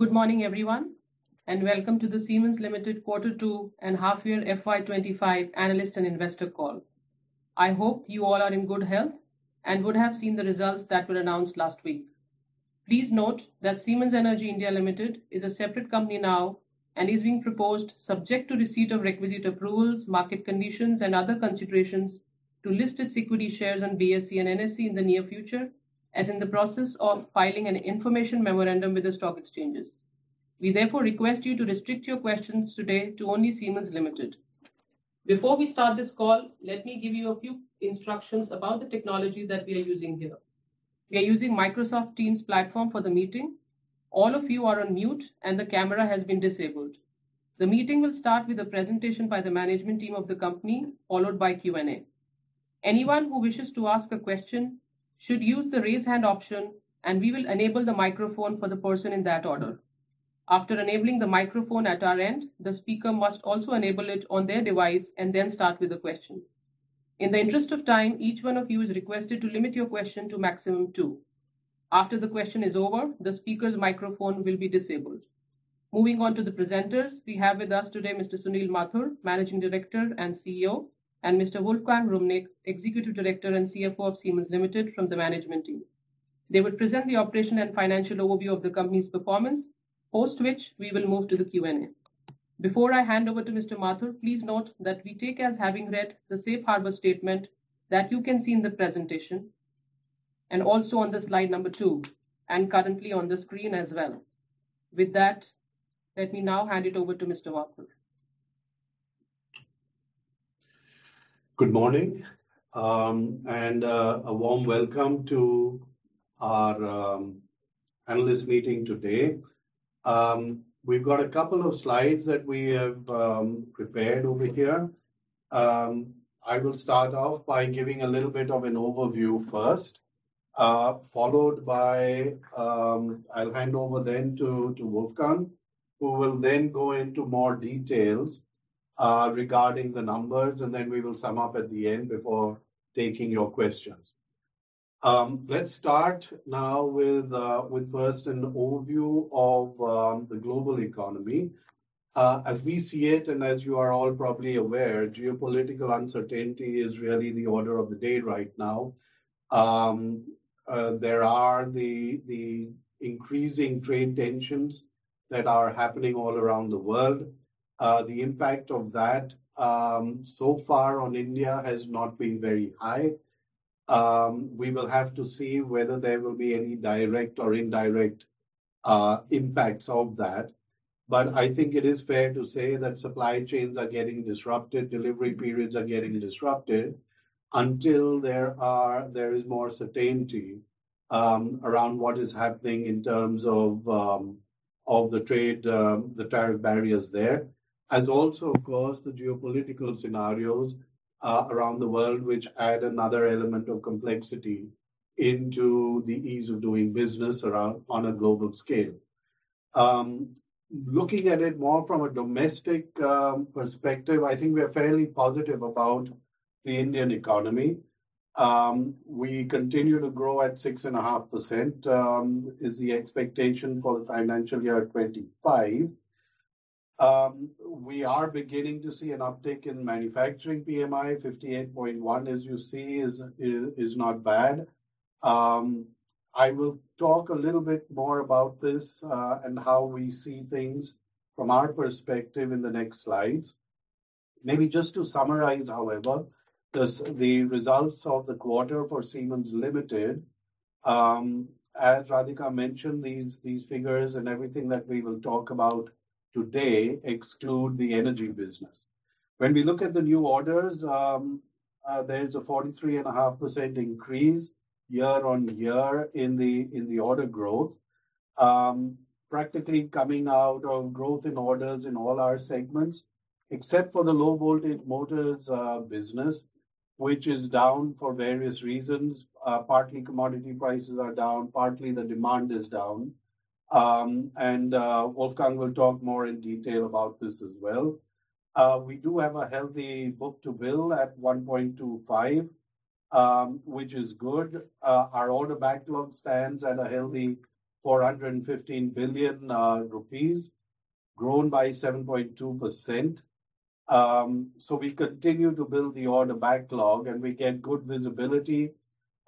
Good morning, everyone, and welcome to the Siemens Limited Q2 and half-year FY25 analyst and investor call. I hope you all are in good health and would have seen the results that were announced last week. Please note that Siemens Energy India Limited is a separate company now and is being proposed, subject to receipt of requisite approvals, market conditions, and other considerations, to list its equity shares on BSE and NSE in the near future, as in the process of filing an information memorandum with the stock exchanges. We therefore request you to restrict your questions today to only Siemens Limited. Before we start this call, let me give you a few instructions about the technology that we are using here. We are using Microsoft Teams platform for the meeting. All of you are on mute, and the camera has been disabled. The meeting will start with a presentation by the management team of the company, followed by Q&A. Anyone who wishes to ask a question should use the raise hand option, and we will enable the microphone for the person in that order. After enabling the microphone at our end, the speaker must also enable it on their device and then start with a question. In the interest of time, each one of you is requested to limit your question to maximum two. After the question is over, the speaker's microphone will be disabled. Moving on to the presenters, we have with us today Mr. Sunil Mathur, Managing Director and CEO, and Mr. Wolfgang Wrumnig, Executive Director and CFO of Siemens Limited from the management team. They will present the operation and financial overview of the company's performance, post which we will move to the Q&A. Before I hand over to Mr. Mathur, please note that we take as having read the Safe Harbor Statement that you can see in the presentation and also on the slide number two and currently on the screen as well. With that, let me now hand it over to Mr. Mathur. Good morning, and a warm welcome to our analyst meeting today. We've got a couple of slides that we have prepared over here. I will start off by giving a little bit of an overview first, followed by I'll hand over then to Wolfgang, who will then go into more details regarding the numbers, and then we will sum up at the end before taking your questions. Let's start now with first an overview of the global economy. As we see it, and as you are all probably aware, geopolitical uncertainty is really the order of the day right now. There are the increasing trade tensions that are happening all around the world. The impact of that so far on India has not been very high. We will have to see whether there will be any direct or indirect impacts of that. But I think it is fair to say that supply chains are getting disrupted, delivery periods are getting disrupted until there is more certainty around what is happening in terms of the trade, the tariff barriers there, as also, of course, the geopolitical scenarios around the world, which add another element of complexity into the ease of doing business on a global scale. Looking at it more from a domestic perspective, I think we are fairly positive about the Indian economy. We continue to grow at 6.5% is the expectation for the financial year 2025. We are beginning to see an uptick in manufacturing PMI, 58.1, as you see, is not bad. I will talk a little bit more about this and how we see things from our perspective in the next slides. Maybe just to summarize, however, the results of the quarter for Siemens Limited, as Radhika mentioned, these figures and everything that we will talk about today exclude the energy business. When we look at the new orders, there's a 43.5% increase year on year in the order growth, practically coming out of growth in orders in all our segments, except for the low-voltage motors business, which is down for various reasons. Partly, commodity prices are down, partly the demand is down, and Wolfgang will talk more in detail about this as well. We do have a healthy book-to-bill at 1.25, which is good. Our order backlog stands at a healthy 415 billion rupees, grown by 7.2%. So we continue to build the order backlog, and we get good visibility.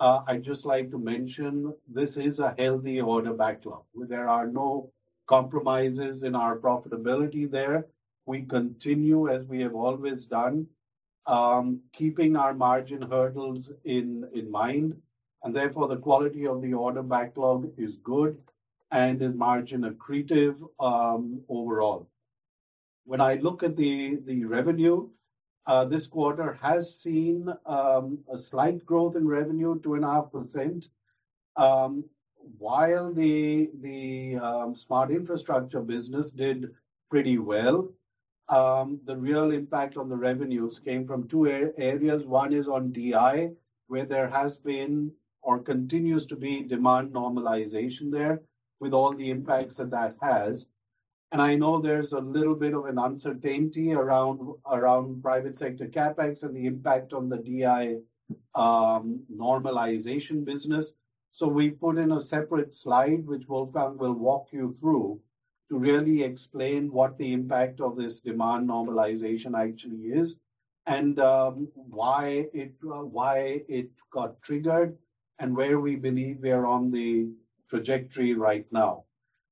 I'd just like to mention this is a healthy order backlog. There are no compromises in our profitability there. We continue, as we have always done, keeping our margin hurdles in mind, and therefore, the quality of the order backlog is good and is margin accretive overall. When I look at the revenue, this quarter has seen a slight growth in revenue, 2.5%, while the smart infrastructure business did pretty well. The real impact on the revenues came from two areas. One is on DI, where there has been or continues to be demand normalization there with all the impacts that that has, and I know there's a little bit of an uncertainty around private sector CapEx and the impact on the DI normalization business, so we put in a separate slide, which Wolfgang will walk you through to really explain what the impact of this demand normalization actually is and why it got triggered and where we believe we are on the trajectory right now.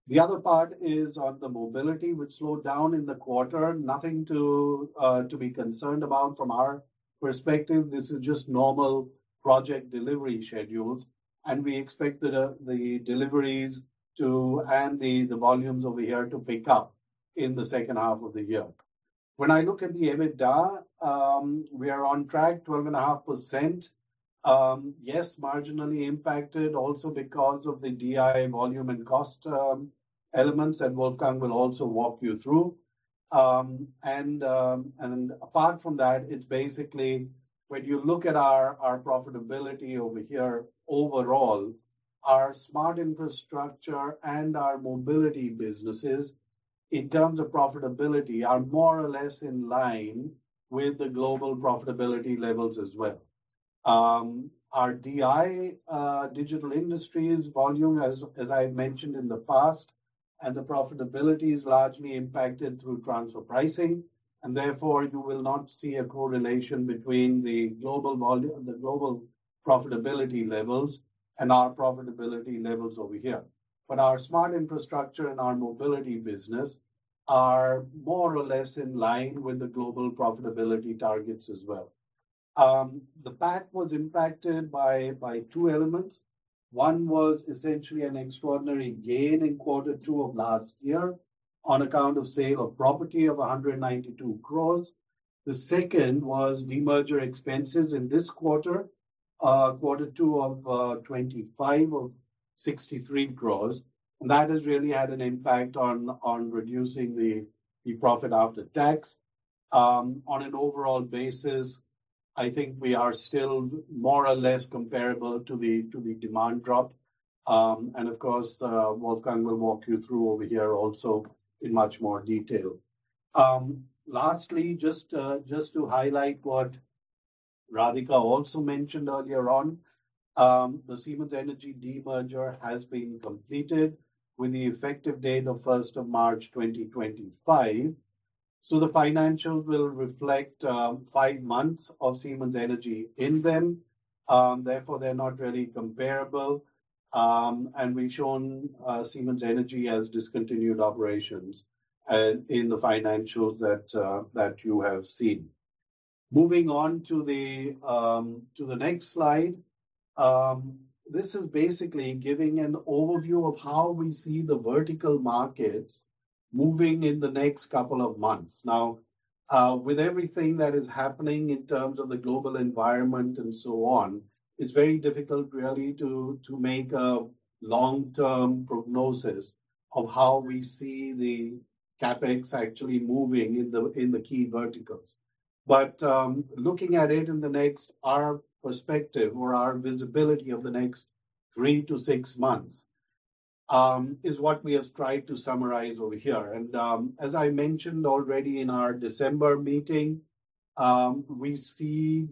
The other part is on the Mobility, which slowed down in the quarter. Nothing to be concerned about from our perspective. This is just normal project delivery schedules, and we expect the deliveries and the volumes over here to pick up in the second half of the year. When I look at the EBITDA, we are on track, 12.5%. Yes, marginally impacted also because of the DI volume and cost elements that Wolfgang will also walk you through. And apart from that, it's basically when you look at our profitability over here, overall, our Smart Infrastructure and our Mobility businesses, in terms of profitability, are more or less in line with the global profitability levels as well. Our DI, Digital Industries volume, as I mentioned in the past, and the profitability is largely impacted through transfer pricing. And therefore, you will not see a correlation between the global profitability levels and our profitability levels over here. But our Smart Infrastructure and our Mobility business are more or less in line with the global profitability targets as well. The PAT was impacted by two elements. One was essentially an extraordinary gain in quarter two of last year on account of sale of property of 192 crores. The second was the merger expenses in this quarter, quarter two of 25, of 63 crores. And that has really had an impact on reducing the profit after tax. On an overall basis, I think we are still more or less comparable to the demand drop. And of course, Wolfgang will walk you through over here also in much more detail. Lastly, just to highlight what Radhika also mentioned earlier on, the Siemens Energy demerger has been completed with the effective date of 1st of March 2025. So the financials will reflect five months of Siemens Energy in them. Therefore, they're not really comparable, and we've shown Siemens Energy as discontinued operations in the financials that you have seen. Moving on to the next slide, this is basically giving an overview of how we see the vertical markets moving in the next couple of months. Now, with everything that is happening in terms of the global environment and so on, it's very difficult really to make a long-term prognosis of how we see the CapEx actually moving in the key verticals, but looking at it in the next-hour perspective or our visibility of the next three to six months is what we have tried to summarize over here. And as I mentioned already in our December meeting, we see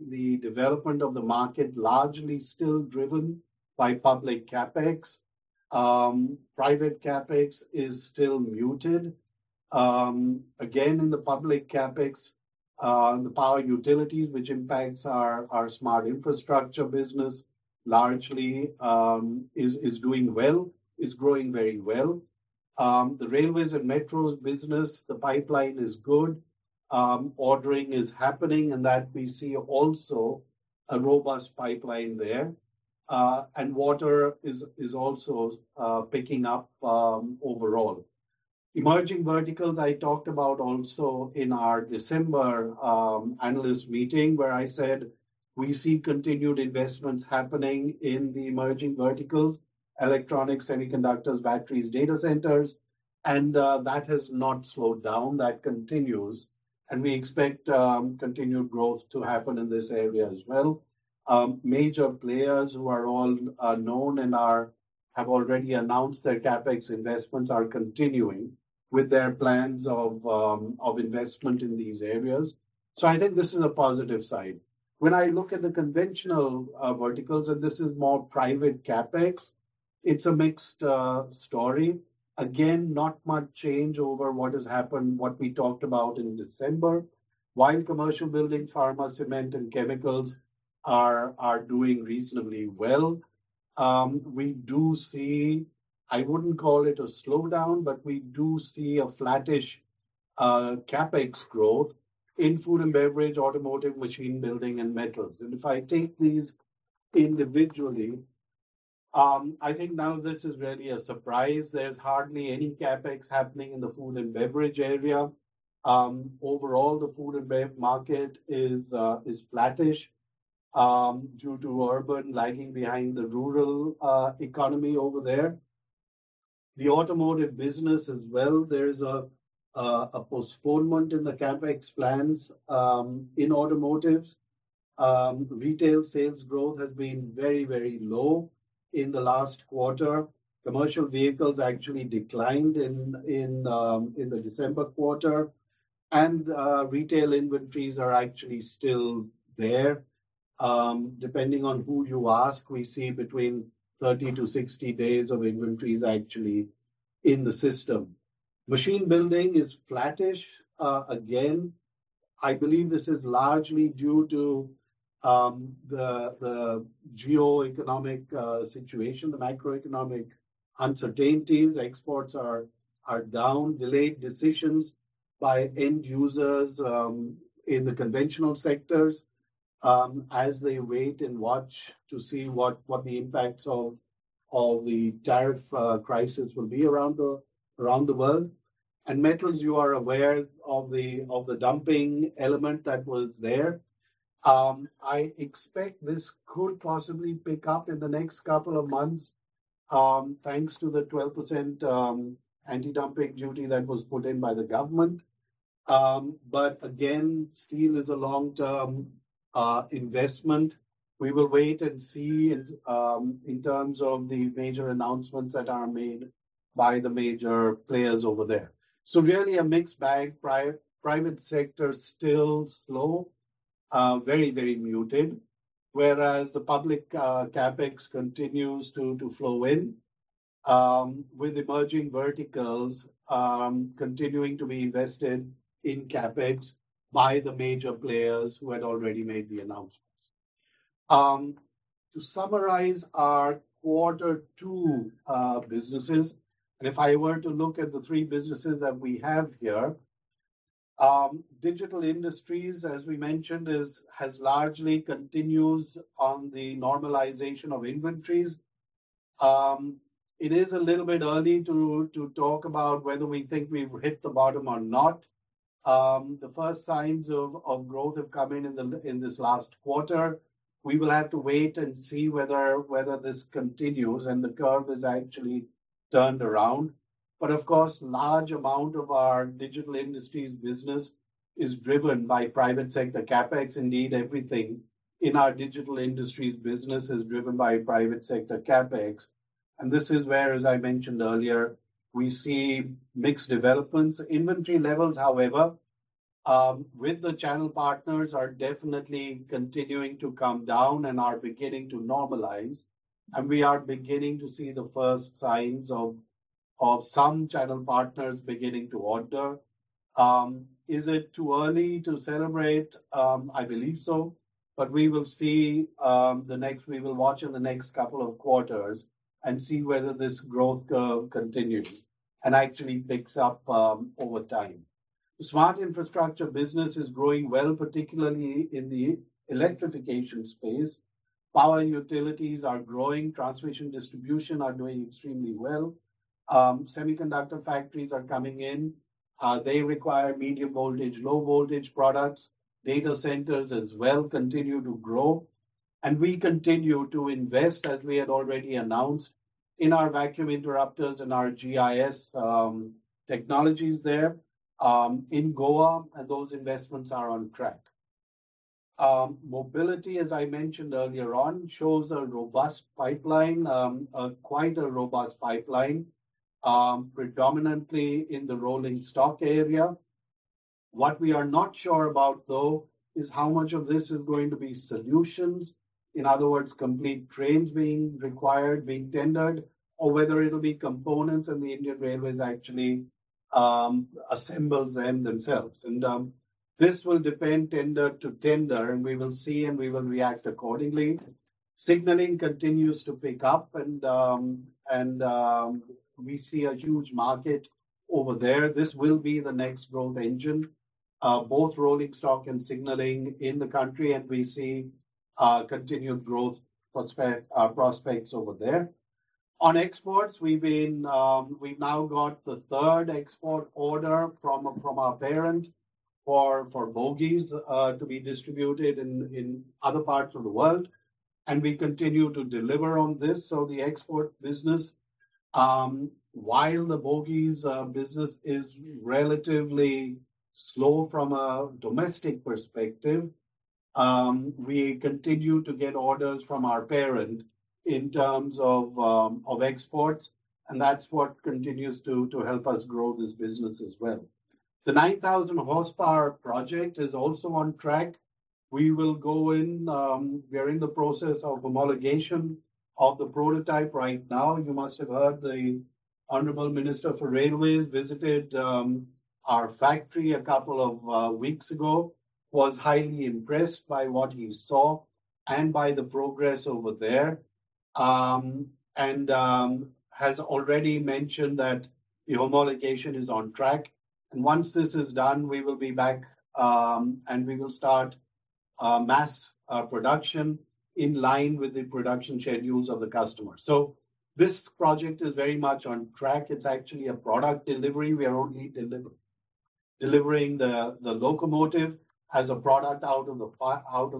the development of the market largely still driven by public CapEx. Private CapEx is still muted. Again, in the public CapEx, the power utilities, which impacts our smart infrastructure business, largely is doing well. It's growing very well. The railways and metros business, the pipeline is good. Ordering is happening, and that we see also a robust pipeline there. And water is also picking up overall. Emerging verticals, I talked about also in our December analyst meeting where I said we see continued investments happening in the emerging verticals, electronics, semiconductors, batteries, data centers. And that has not slowed down. That continues. And we expect continued growth to happen in this area as well. Major players who are all known and have already announced their CapEx investments are continuing with their plans of investment in these areas. So I think this is a positive side. When I look at the conventional verticals, and this is more private CapEx, it's a mixed story. Again, not much change over what has happened, what we talked about in December. While commercial buildings, pharma, cement, and chemicals are doing reasonably well, we do see, I wouldn't call it a slowdown, but we do see a flattish CapEx growth in food and beverage, automotive, machine building, and metals. And if I take these individually, I think none of this is really a surprise. There's hardly any CapEx happening in the food and beverage area. Overall, the food and bev market is flattish due to urban lagging behind the rural economy over there. The automotive business as well. There is a postponement in the CapEx plans in automotives. Retail sales growth has been very, very low in the last quarter. Commercial vehicles actually declined in the December quarter, and retail inventories are actually still there. Depending on who you ask, we see between 30-60 days of inventories actually in the system. Machine building is flattish again. I believe this is largely due to the geoeconomic situation, the macroeconomic uncertainties. Exports are down, delayed decisions by end users in the conventional sectors as they wait and watch to see what the impacts of the tariff crisis will be around the world, and metals, you are aware of the dumping element that was there. I expect this could possibly pick up in the next couple of months thanks to the 12% anti-dumping duty that was put in by the government, but again, steel is a long-term investment. We will wait and see in terms of the major announcements that are made by the major players over there. So really a mixed bag. Private sector still slow, very, very muted, whereas the public CapEx continues to flow in with emerging verticals continuing to be invested in CapEx by the major players who had already made the announcements. To summarize our quarter two businesses, and if I were to look at the three businesses that we have here, Digital Industries, as we mentioned, has largely continued on the normalization of inventories. It is a little bit early to talk about whether we think we've hit the bottom or not. The first signs of growth have come in in this last quarter. We will have to wait and see whether this continues and the curve has actually turned around. But of course, a large amount of our Digital Industries business is driven by private sector CapEx. Indeed, everything in our Digital Industries business is driven by private sector CapEx. This is where, as I mentioned earlier, we see mixed developments. Inventory levels, however, with the channel partners are definitely continuing to come down and are beginning to normalize. We are beginning to see the first signs of some channel partners beginning to order. Is it too early to celebrate? I believe so. But we will see. We will watch in the next couple of quarters and see whether this growth curve continues and actually picks up over time. The Smart Infrastructure business is growing well, particularly in the electrification space. Power utilities are growing. Transmission distribution are doing extremely well. Semiconductor factories are coming in. They require medium voltage, low voltage products. Data centers as well continue to grow. We continue to invest, as we had already announced, in our vacuum interrupters and our GIS technologies there in Goa. Those investments are on track. Mobility, as I mentioned earlier on, shows a robust pipeline, quite a robust pipeline, predominantly in the rolling stock area. What we are not sure about, though, is how much of this is going to be solutions. In other words, complete trains being required, being tendered, or whether it'll be components and the Indian Railways actually assembles them themselves. This will depend tender to tender, and we will see and we will react accordingly. Signaling continues to pick up, and we see a huge market over there. This will be the next growth engine, both rolling stock and signaling in the country. We see continued growth prospects over there. On exports, we've now got the third export order from our parent for bogies to be distributed in other parts of the world. We continue to deliver on this. So the export business, while the bogies business is relatively slow from a domestic perspective, we continue to get orders from our parent in terms of exports. And that's what continues to help us grow this business as well. The 9,000 horsepower project is also on track. We will go in. We're in the process of homologation of the prototype right now. You must have heard the Honorable Minister for Railways visited our factory a couple of weeks ago, was highly impressed by what he saw and by the progress over there, and has already mentioned that the homologation is on track. And once this is done, we will be back and we will start mass production in line with the production schedules of the customers. So this project is very much on track. It's actually a product delivery. We are only delivering the locomotive as a product out of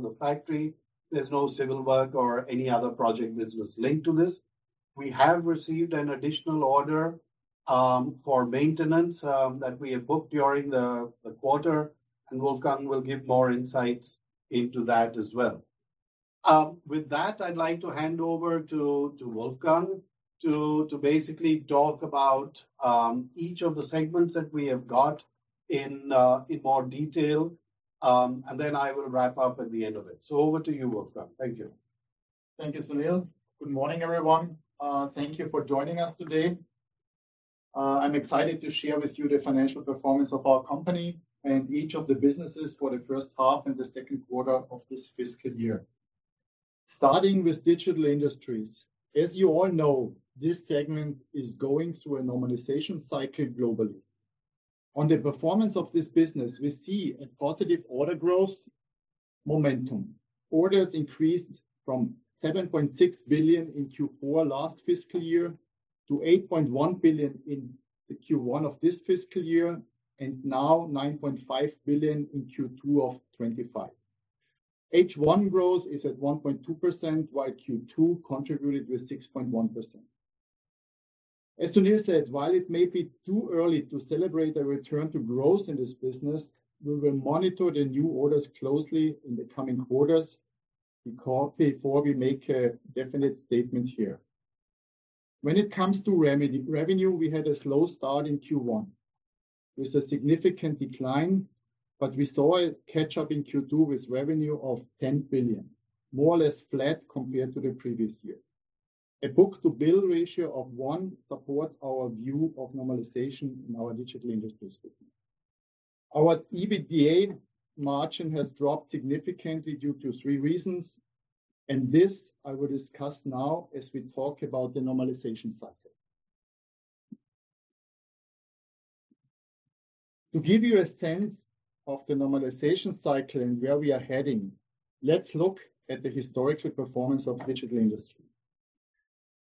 the factory. There's no civil work or any other project business linked to this. We have received an additional order for maintenance that we have booked during the quarter. And Wolfgang will give more insights into that as well. With that, I'd like to hand over to Wolfgang to basically talk about each of the segments that we have got in more detail. And then I will wrap up at the end of it. So over to you, Wolfgang. Thank you. Thank you, Sunil. Good morning, everyone. Thank you for joining us today. I'm excited to share with you the financial performance of our company and each of the businesses for the first half and the second quarter of this fiscal year. Starting with digital industries, as you all know, this segment is going through a normalization cycle globally. On the performance of this business, we see a positive order growth momentum. Orders increased from 7.6 billion in Q4 last fiscal year to 8.1 billion in Q1 of this fiscal year, and now 9.5 billion in Q2 of 2025. H1 growth is at 1.2%, while Q2 contributed with 6.1%. As Sunil said, while it may be too early to celebrate a return to growth in this business, we will monitor the new orders closely in the coming quarters before we make a definite statement here. When it comes to revenue, we had a slow start in Q1. There's a significant decline, but we saw a catch-up in Q2 with revenue of 10 billion, more or less flat compared to the previous year. A book-to-bill ratio of one supports our view of normalization in our Digital Industries. Our EBITDA margin has dropped significantly due to three reasons. This I will discuss now as we talk about the normalization cycle. To give you a sense of the normalization cycle and where we are heading, let's look at the historical performance of Digital Industries.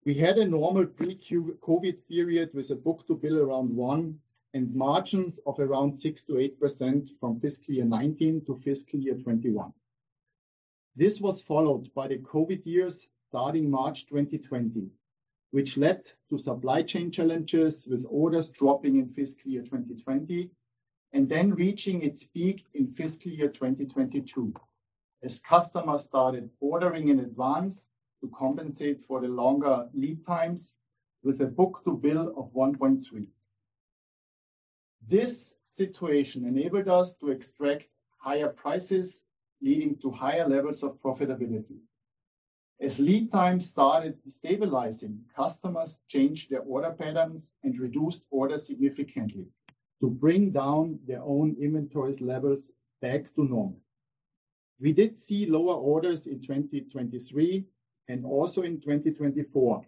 We had a normal pre-COVID period with a book-to-bill around one and margins of around 6%-8% from fiscal year 2019 to fiscal year 2021. This was followed by the COVID years starting March 2020, which led to supply chain challenges with orders dropping in fiscal year 2020 and then reaching its peak in fiscal year 2022 as customers started ordering in advance to compensate for the longer lead times with a book-to-bill of 1.3. This situation enabled us to extract higher prices, leading to higher levels of profitability. As lead times started stabilizing, customers changed their order patterns and reduced orders significantly to bring down their own inventory levels back to normal. We did see lower orders in 2023 and also in 2024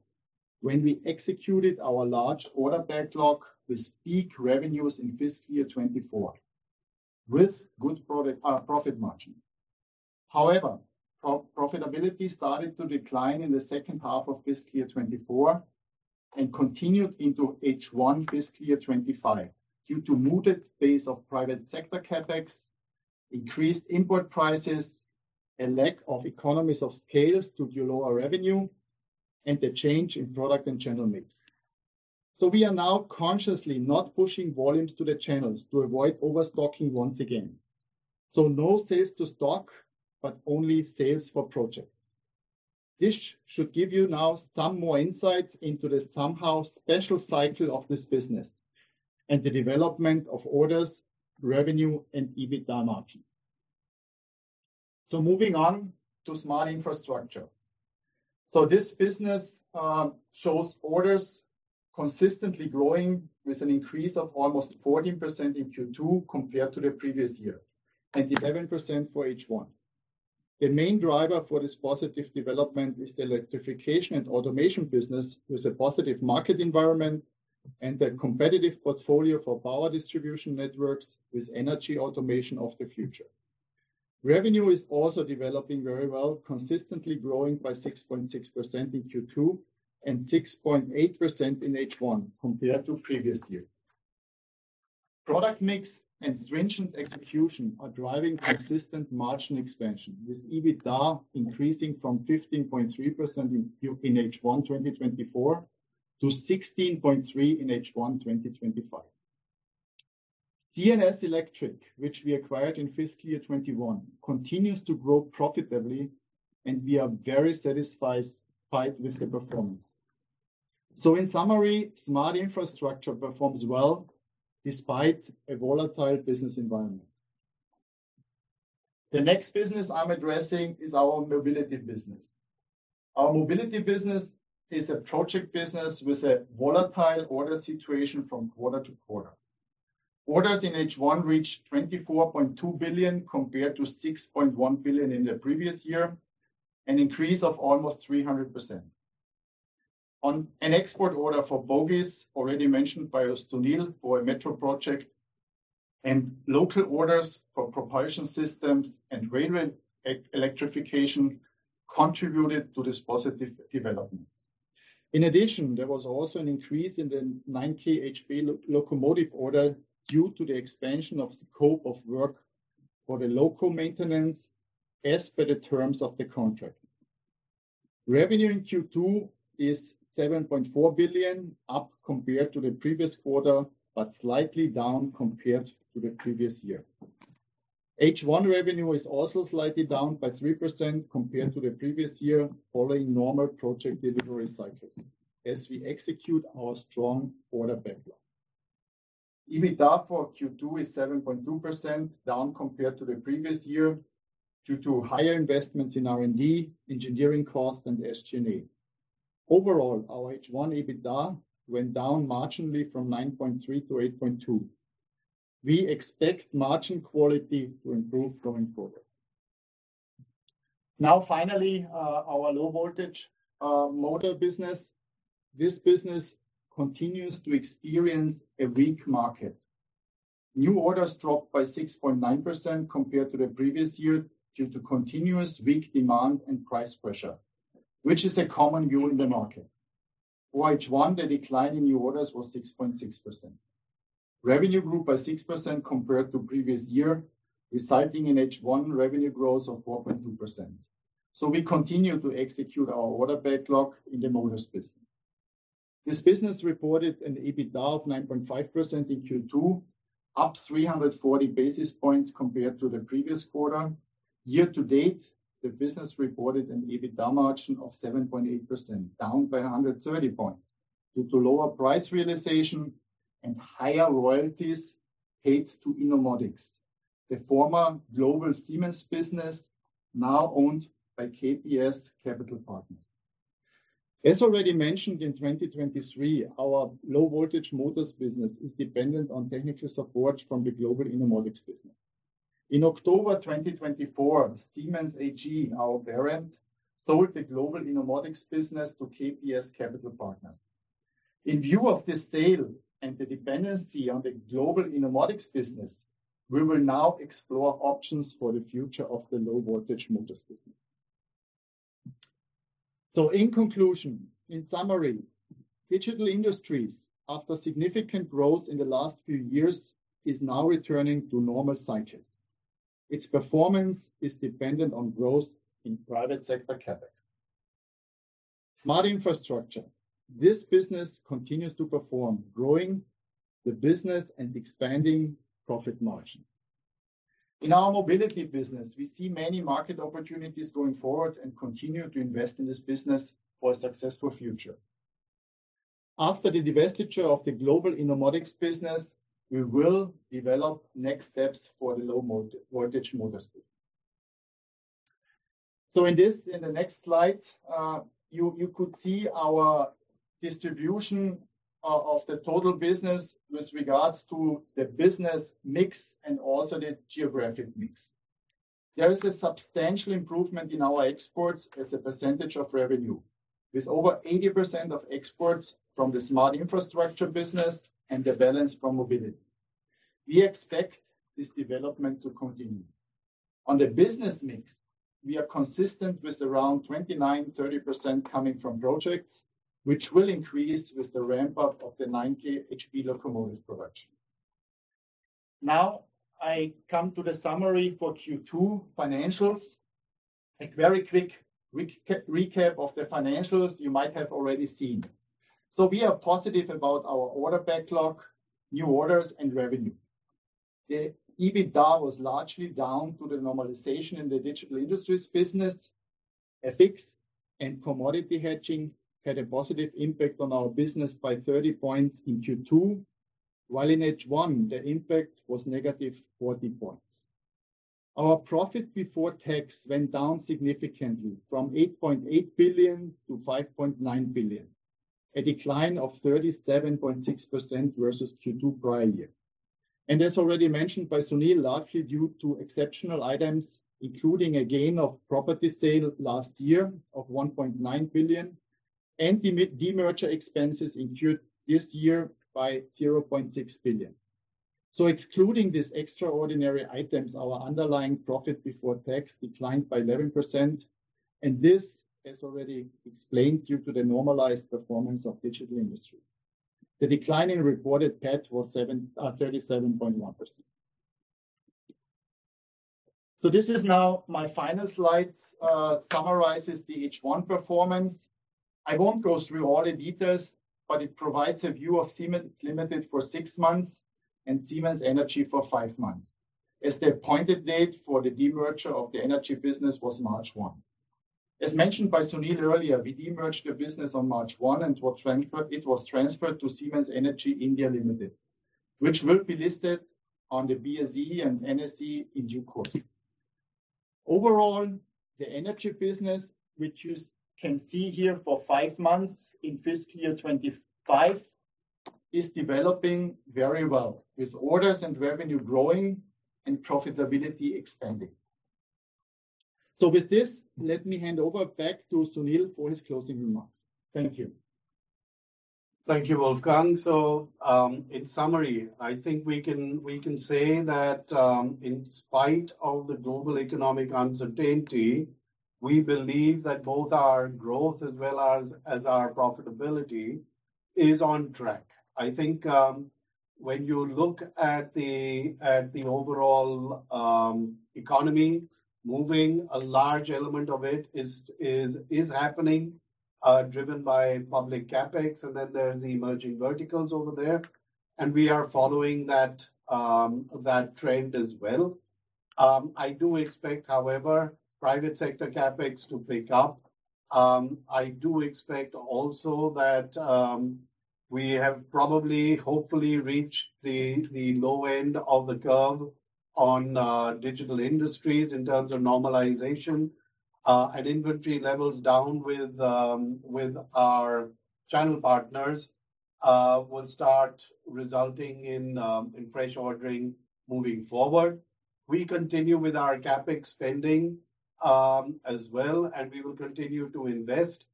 when we executed our large order backlog with peak revenues in fiscal year 2024 with good profit margin. However, profitability started to decline in the second half of fiscal year 2024 and continued into H1 fiscal year 2025 due to muted base of private sector CapEx, increased import prices, a lack of economies of scale due to lower revenue, and the change in product and channel mix. So we are now consciously not pushing volumes to the channels to avoid overstocking once again. So no sales to stock, but only sales for projects. This should give you now some more insights into the somehow special cycle of this business and the development of orders, revenue, and EBITDA margin. So moving on to Smart Infrastructure. This business shows orders consistently growing with an increase of almost 14% in Q2 compared to the previous year and 11% for H1. The main driver for this positive development is the Electrification and Automation business with a positive market environment and a competitive portfolio for power distribution networks with energy automation of the future. Revenue is also developing very well, consistently growing by 6.6% in Q2 and 6.8% in H1 compared to previous year. Product mix and stringent execution are driving consistent margin expansion with EBITDA increasing from 15.3% in H1 2024 to 16.3% in H1 2025. C&S Electric, which we acquired in fiscal year 2021, continues to grow profitably, and we are very satisfied with the performance. In summary, Smart Infrastructure performs well despite a volatile business environment. The next business I'm addressing is our mobility business. Our mobility business is a project business with a volatile order situation from quarter to quarter. Orders in H1 reached 24.2 billion compared to 6.1 billion in the previous year, an increase of almost 300%. An export order for bogies already mentioned by Sunil for a metro project and local orders for propulsion systems and railway electrification contributed to this positive development. In addition, there was also an increase in the 9,000 HP locomotive order due to the expansion of scope of work for the local maintenance as per the terms of the contract. Revenue in Q2 is 7.4 billion, up compared to the previous quarter, but slightly down compared to the previous year. H1 revenue is also slightly down by 3% compared to the previous year, following normal project delivery cycles as we execute our strong order backlog. EBITDA for Q2 is 7.2%, down compared to the previous year due to higher investments in R&D, engineering costs, and SG&A. Overall, our H1 EBITDA went down marginally from 9.3%-8.2%. We expect margin quality to improve going forward. Now, finally, our low voltage motor business. This business continues to experience a weak market. New orders dropped by 6.9% compared to the previous year due to continuous weak demand and price pressure, which is a common view in the market. For H1, the decline in new orders was 6.6%. Revenue grew by 6% compared to previous year, resulting in H1 revenue growth of 4.2%. So we continue to execute our order backlog in the motor business. This business reported an EBITDA of 9.5% in Q2, up 340 basis points compared to the previous quarter. Year to date, the business reported an EBITDA margin of 7.8%, down by 130 points due to lower price realization and higher royalties paid to Innomotics, the former global Siemens business now owned by KPS Capital Partners. As already mentioned in 2023, our low voltage motors business is dependent on technical support from the global Innomotics business. In October 2024, Siemens AG, our parent, sold the global Innomotics business to KPS Capital Partners. In view of the sale and the dependency on the global Innomotics business, we will now explore options for the future of the low voltage motors business. So in conclusion, in summary, digital industries, after significant growth in the last few years, is now returning to normal cycles. Its performance is dependent on growth in private sector CapEx. Smart infrastructure, this business continues to perform, growing the business and expanding profit margin. In our mobility business, we see many market opportunities going forward and continue to invest in this business for a successful future. After the divestiture of the global Innomotics business, we will develop next steps for the low voltage motors. So in the next slide, you could see our distribution of the total business with regards to the business mix and also the geographic mix. There is a substantial improvement in our exports as a percentage of revenue, with over 80% of exports from the smart infrastructure business and the balance from mobility. We expect this development to continue. On the business mix, we are consistent with around 29%-30% coming from projects, which will increase with the ramp-up of the 9,000 HP locomotive production. Now, I come to the summary for Q2 financials. A very quick recap of the financials you might have already seen. We are positive about our order backlog, new orders, and revenue. The EBITDA was largely down to the normalization in the Digital Industries business. FX and commodity hedging had a positive impact on our business by 30 points in Q2, while in H1, the impact was negative 40 points. Our profit before tax went down significantly from 8.8 billion to 5.9 billion, a decline of 37.6% versus Q2 prior year. As already mentioned by Sunil, largely due to exceptional items, including a gain of property sale last year of 1.9 billion and the merger expenses incurred this year by 0.6 billion. Excluding these extraordinary items, our underlying profit before tax declined by 11%. This, as already explained, due to the normalized performance of Digital Industries. The decline in reported PBT was 37.1%. This is now my final slide summarizes the H1 performance. I won't go through all the details, but it provides a view of Siemens Limited for six months and Siemens Energy for five months, as the appointed date for the demerger of the energy business was March 1. As mentioned by Sunil earlier, we demerged the business on March 1 and it was transferred to Siemens Energy India Limited, which will be listed on the BSE and NSE in due course. Overall, the energy business, which you can see here for five months in fiscal year 2025, is developing very well with orders and revenue growing and profitability expanding. So with this, let me hand over back to Sunil for his closing remarks. Thank you. Thank you, Wolfgang. So in summary, I think we can say that in spite of the global economic uncertainty, we believe that both our growth as well as our profitability is on track. I think when you look at the overall economy, moving a large element of it is happening, driven by public CapEx. And then there's the emerging verticals over there. And we are following that trend as well. I do expect, however, private sector CapEx to pick up. I do expect also that we have probably, hopefully, reached the low end of the curve on digital industries in terms of normalization. And inventory levels down with our channel partners will start resulting in fresh ordering moving forward. We continue with our CapEx spending as well, and we will continue to invest.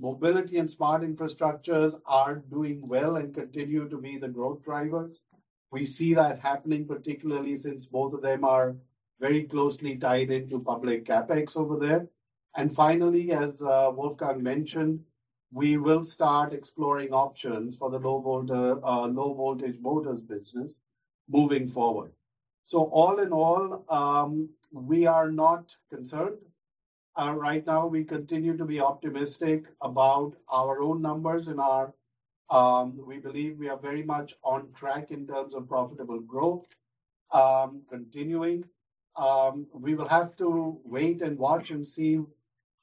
Mobility and smart infrastructures are doing well and continue to be the growth drivers. We see that happening, particularly since both of them are very closely tied into public CapEx over there. And finally, as Wolfgang mentioned, we will start exploring options for the low voltage motors business moving forward. So all in all, we are not concerned. Right now, we continue to be optimistic about our own numbers and we believe we are very much on track in terms of profitable growth continuing. We will have to wait and watch and see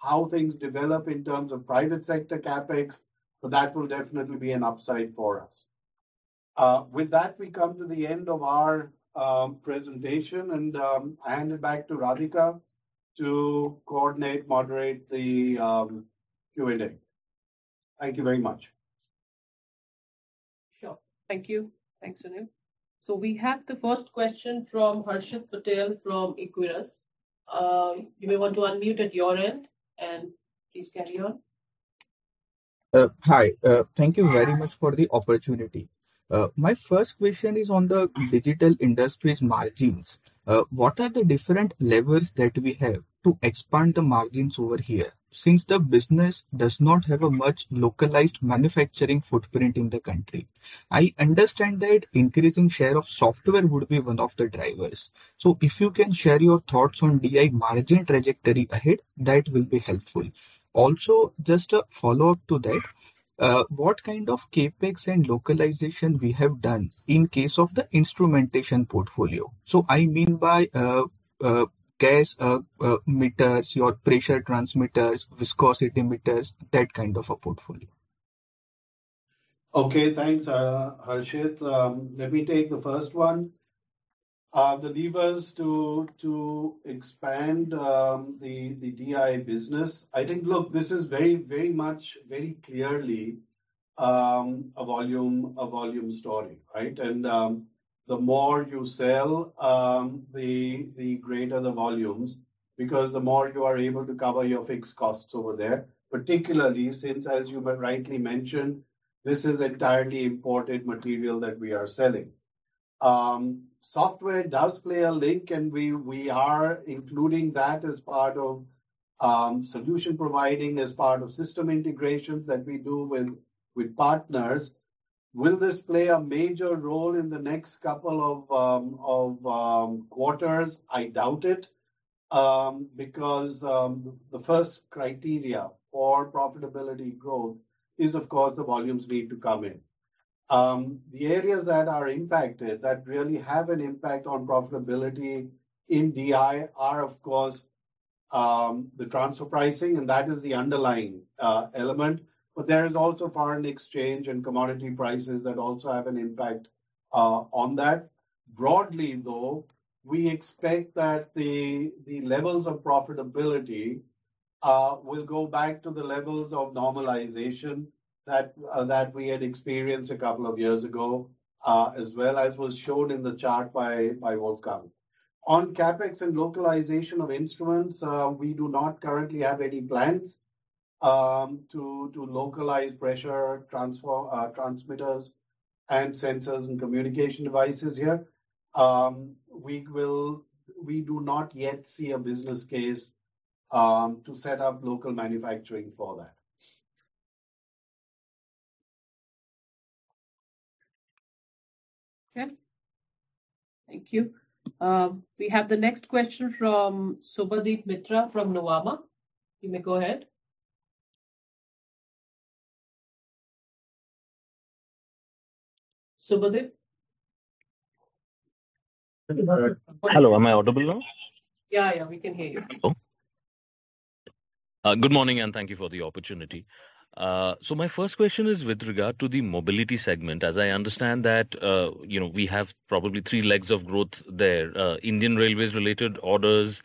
how things develop in terms of private sector CapEx. So that will definitely be an upside for us. With that, we come to the end of our presentation, and I hand it back to Radhika to coordinate, moderate the Q&A. Thank you very much. Sure. Thank you. Thanks, Sunil. So we have the first question from Harshit Patel from Equirus Securities. You may want to unmute at your end, and please carry on. Hi. Thank you very much for the opportunity. My first question is on the Digital Industries margins. What are the different levers that we have to expand the margins over here? Since the business does not have a much localized manufacturing footprint in the country, I understand that increasing share of software would be one of the drivers. So if you can share your thoughts on DI margin trajectory ahead, that will be helpful. Also, just a follow-up to that, what kind of CapEx and localization we have done in case of the instrumentation portfolio? So I mean by gas meters or pressure transmitters, viscosity meters, that kind of a portfolio. Okay, thanks, Harshit. Let me take the first one. The levers to expand the DI business, I think, look, this is very, very much, very clearly a volume story, right? And the more you sell, the greater the volumes because the more you are able to cover your fixed costs over there, particularly since, as you rightly mentioned, this is entirely imported material that we are selling. Software does play a role, and we are including that as part of solution providing, as part of system integrations that we do with partners. Will this play a major role in the next couple of quarters? I doubt it because the first criteria for profitability growth is, of course, the volumes need to come in. The areas that are impacted that really have an impact on profitability in DI are, of course, the transfer pricing, and that is the underlying element. But there is also foreign exchange and commodity prices that also have an impact on that. Broadly, though, we expect that the levels of profitability will go back to the levels of normalization that we had experienced a couple of years ago, as well as was shown in the chart by Wolfgang. On CapEx and localization of instruments, we do not currently have any plans to localize pressure transmitters and sensors and communication devices here. We do not yet see a business case to set up local manufacturing for that. Okay. Thank you. We have the next question from Subhadip Mitra from Nuvama. You may go ahead. Subhadip. Hello. Am I audible now? Yeah, yeah. We can hear you. Hello. Good morning, and thank you for the opportunity. So my first question is with regard to the mobility segment. As I understand that we have probably three legs of growth there: Indian Railways-related orders,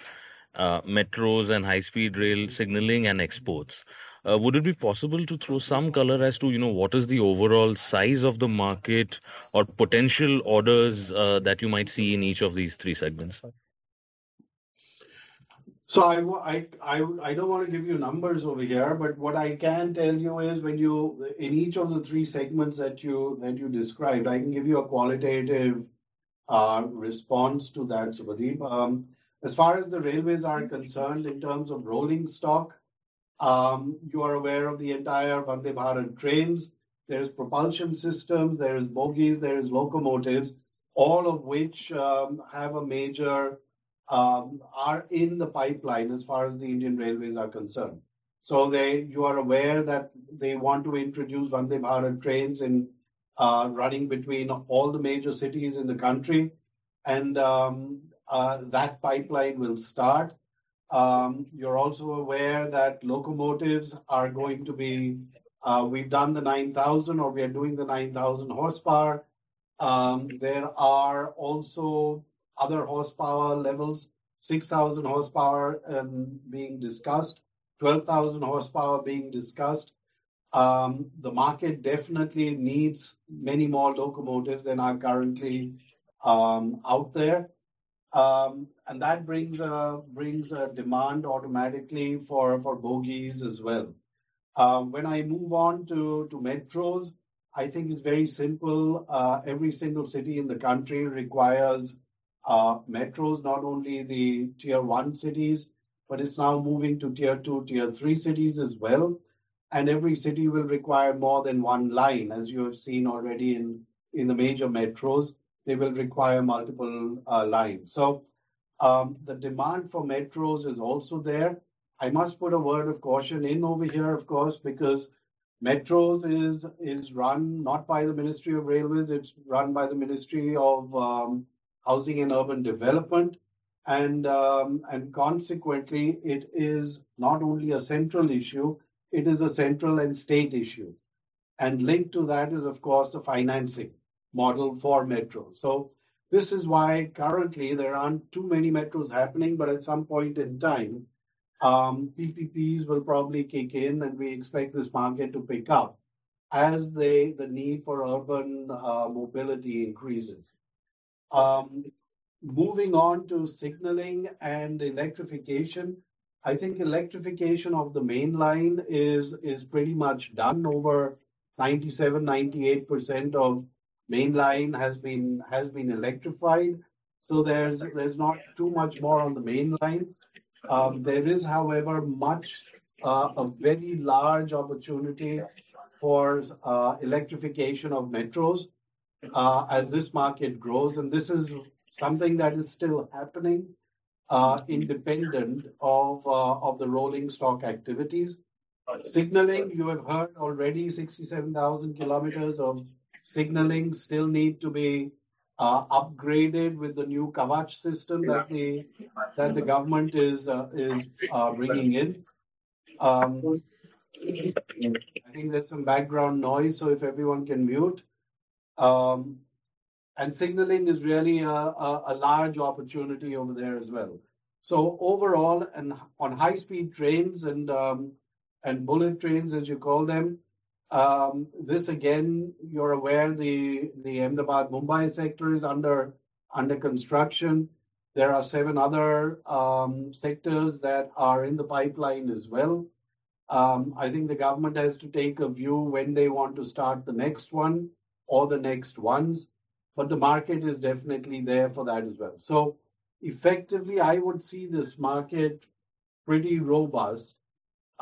metros and high-speed rail signaling, and exports. Would it be possible to throw some color as to what is the overall size of the market or potential orders that you might see in each of these three segments? So I don't want to give you numbers over here, but what I can tell you is when you in each of the three segments that you described, I can give you a qualitative response to that, Subhadip. As far as the railways are concerned, in terms of rolling stock, you are aware of the entire Vande Bharat trains. There's propulsion systems, there's bogies, there's locomotives, all of which have a major are in the pipeline as far as the Indian Railways are concerned. So you are aware that they want to introduce Vande Bharat trains in running between all the major cities in the country, and that pipeline will start. You're also aware that locomotives are going to be we've done the 9,000 or we are doing the 9,000 horsepower. There are also other horsepower levels: 6,000 horsepower being discussed, 12,000 horsepower being discussed. The market definitely needs many more locomotives than are currently out there, and that brings a demand automatically for bogies as well. When I move on to metros, I think it's very simple. Every single city in the country requires metros, not only the tier one cities, but it's now moving to tier two, tier three cities as well, and every city will require more than one line. As you have seen already in the major metros, they will require multiple lines, so the demand for metros is also there. I must put a word of caution in over here, of course, because metros is run not by the Ministry of Railways. It's run by the Ministry of Housing and Urban Affairs, and consequently, it is not only a central issue. It is a central and state issue, and linked to that is, of course, the financing model for metros. So this is why currently there aren't too many metros happening, but at some point in time, PPPs will probably kick in, and we expect this market to pick up as the need for urban mobility increases. Moving on to signaling and electrification, I think electrification of the mainline is pretty much done. Over 97%-98% of mainline has been electrified. So there's not too much more on the mainline. There is, however, a very large opportunity for electrification of metros as this market grows. And this is something that is still happening independent of the rolling stock activities. Signaling, you have heard already, 67,000 km of signaling still need to be upgraded with the new Kavach system that the government is bringing in. I think there's some background noise, so if everyone can mute. And signaling is really a large opportunity over there as well. So overall, on high-speed trains and bullet trains, as you call them, this again, you're aware the Ahmedabad-Mumbai sector is under construction. There are seven other sectors that are in the pipeline as well. I think the government has to take a view when they want to start the next one or the next ones. But the market is definitely there for that as well. So effectively, I would see this market pretty robust.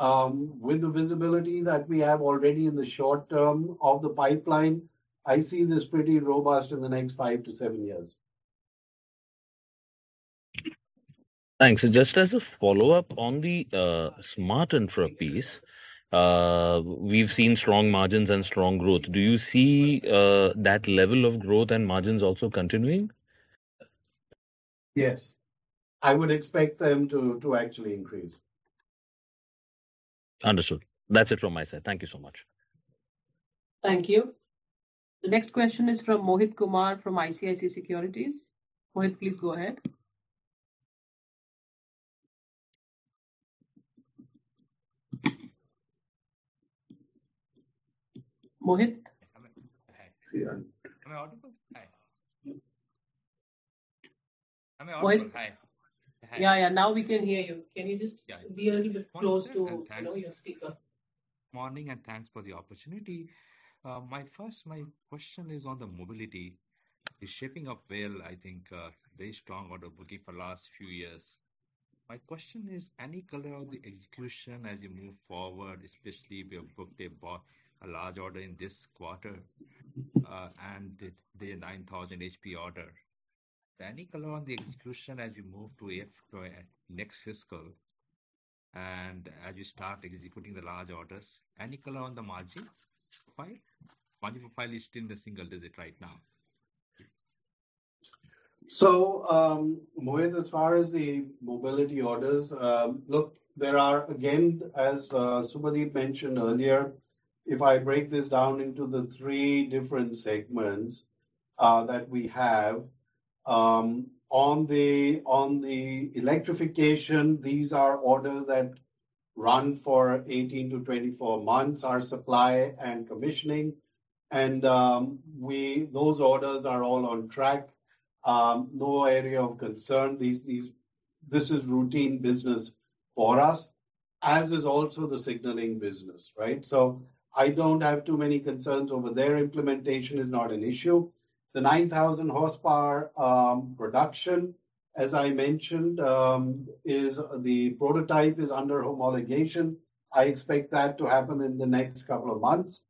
With the visibility that we have already in the short term of the pipeline, I see this pretty robust in the next five to seven years. Thanks. And just as a follow-up on the Smart Infra piece, we've seen strong margins and strong growth. Do you see that level of growth and margins also continuing? Yes. I would expect them to actually increase. Understood. That's it from my side. Thank you so much. Thank you. The next question is from Mohit Kumar from ICICI Securities. Mohit, please go ahead. Mohit? Hi. Am I audible? Hi. Yeah, yeah. Now we can hear you. Can you just be a little bit close to your speaker? Morning, and thanks for the opportunity. My first question is on the mobility. The shaping of rail, I think, very strong order booking for the last few years. My question is, any color on the execution as you move forward, especially we have booked a large order in this quarter and the 9,000 HP order? Any color on the execution as you move to next fiscal and as you start executing the large orders? Any color on the margin profile? Margin profile is still in the single digit right now. So, Mohit, as far as the mobility orders, look, there are, again, as Subhadip mentioned earlier, if I break this down into the three different segments that we have, on the electrification, these are orders that run for 18-24 months, our supply and commissioning. And those orders are all on track. No area of concern. This is routine business for us, as is also the signaling business, right? So I don't have too many concerns over there. Implementation is not an issue. The 9,000 horsepower production, as I mentioned, the prototype is under homologation. I expect that to happen in the next couple of months.